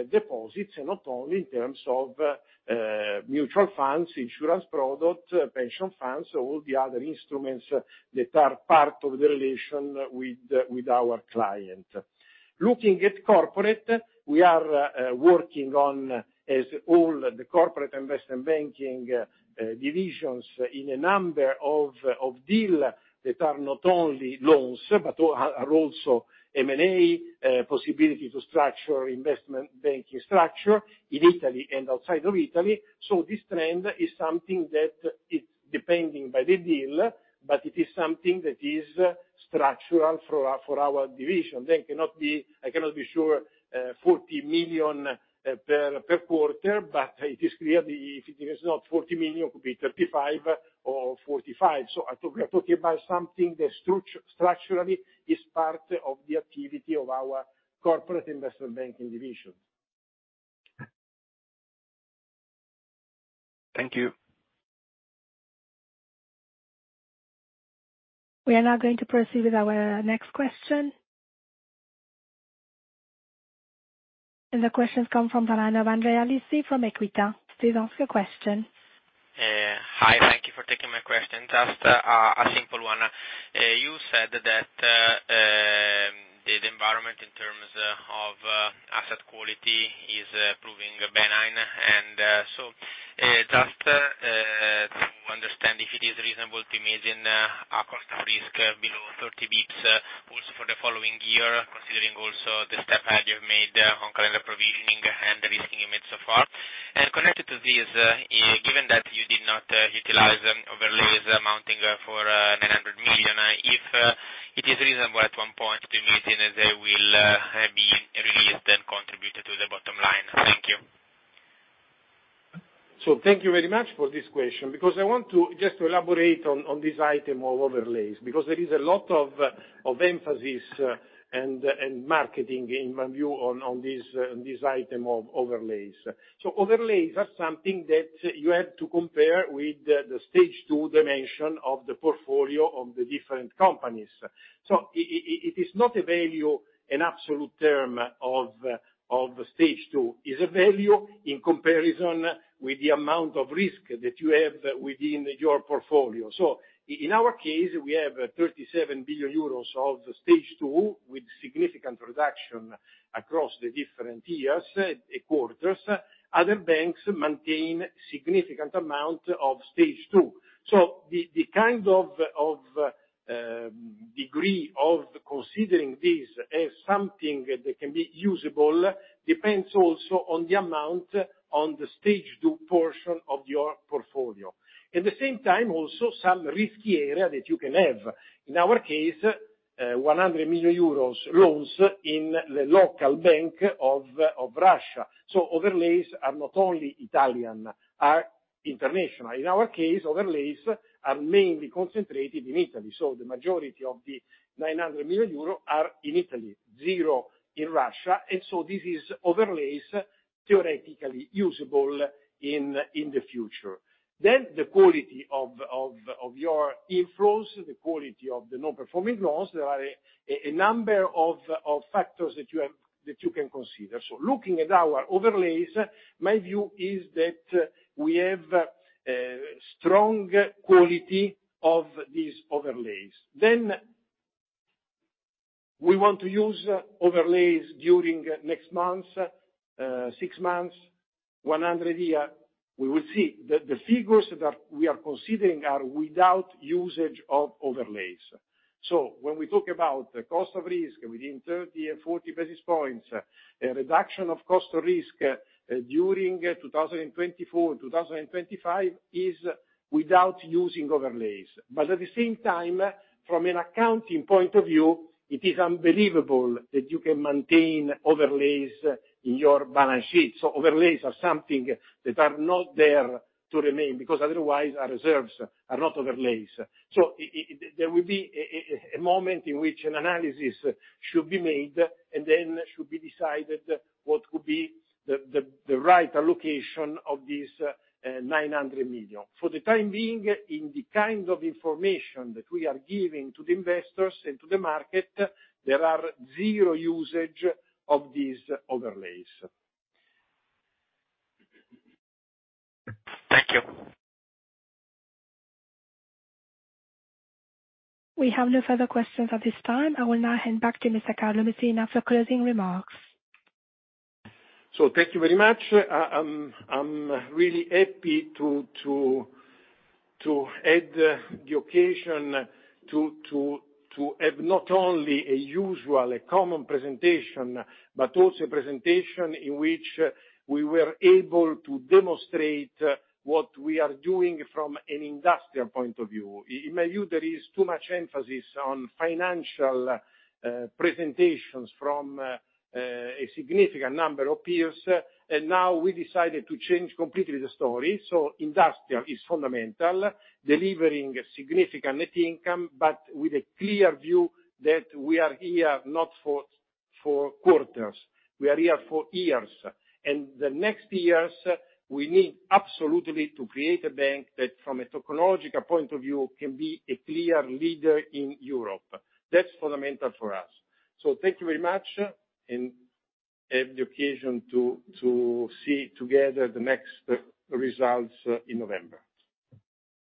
deposits, and not only in terms of mutual funds, insurance products, pension funds, all the other instruments that are part of the relation with, with our client. Looking at corporate, we are working on, as all the corporate investment banking divisions in a number of deal that are not only loans, but are also M&A, possibility to structure investment banking structure in Italy and outside of Italy. This trend is something that it's depending by the deal, but it is something that is structural for our, for our division. I cannot be sure, 40 million per quarter, but it is clearly, if it is not 40 million, it could be 35 million or 45 million. I thought we are talking about something that structurally is part of the activity of our corporate investment banking division. Thank you. We are now going to proceed with our next question. The question comes from the line of Andrea Lisi from Equita. Please ask your question. Hi, thank you for taking my question. Just a simple one. You said that the environment in terms of asset quality is proving benign. Just to understand if it is reasonable to imagine a cost of risk below 30 basis points also for the following year, considering also the step ahead you've made on kind of provisioning and the risking you made so far. Connected to this, given that you did not utilize overlays amounting for 900 million, if it is reasonable at one point to imagine they will be released and contribute to the bottom line. Thank you.... Thank you very much for this question, because I want to, just to elaborate on, on this item of overlays, because there is a lot of, of emphasis, and marketing in my view on, on this, this item of overlays. Overlays are something that you have to compare with the Stage 2 dimension of the portfolio of the different companies. It is not a value, an absolute term of Stage 2, is a value in comparison with the amount of risk that you have within your portfolio. In our case, we have 37 billion euros of Stage 2, with significant reduction across the different years, quarters. Other banks maintain significant amount of Stage 2. The, the kind of, of degree of considering this as something that can be usable, depends also on the amount on the Stage 2 portion of your portfolio. At the same time, also, some riskier area that you can have. In our case, 100 million euros loans in the local bank of Russia. Overlays are not only Italian, are international. In our case, overlays are mainly concentrated in Italy, so the majority of the 900 million euro are in Italy, zero in Russia, and so this is overlays theoretically usable in the future. The quality of your inflows, the quality of the non-performing loans, there are a number of factors that you can consider. Looking at our overlays, my view is that we have strong quality of these overlays. We want to use overlays during next months, six months, 100 year, we will see. The figures that we are considering are without usage of overlays. When we talk about the cost of risk within 30 and 40 basis points, a reduction of cost of risk during 2024, 2025, is without using overlays. At the same time, from an accounting point of view, it is unbelievable that you can maintain overlays in your balance sheet. Overlays are something that are not there to remain, because otherwise our reserves are not overlays. There will be a moment in which an analysis should be made, and then should be decided what could be the right allocation of this 900 million. For the time being, in the kind of information that we are giving to the investors and to the market, there are zero usage of these overlays. Thank you. We have no further questions at this time. I will now hand back to Mr. Carlo Messina for closing remarks. Thank you very much. I'm really happy to have the occasion to have not only a usual, a common presentation, but also a presentation in which we were able to demonstrate what we are doing from an industrial point of view. In my view, there is too much emphasis on financial presentations from a significant number of peers, now we decided to change completely the story. Industrial is fundamental, delivering significant net income, but with a clear view that we are here not for quarters, we are here for years. The next years, we need absolutely to create a bank that, from a technological point of view, can be a clear leader in Europe. That's fundamental for us. Thank you very much, have the occasion to see together the next results in November.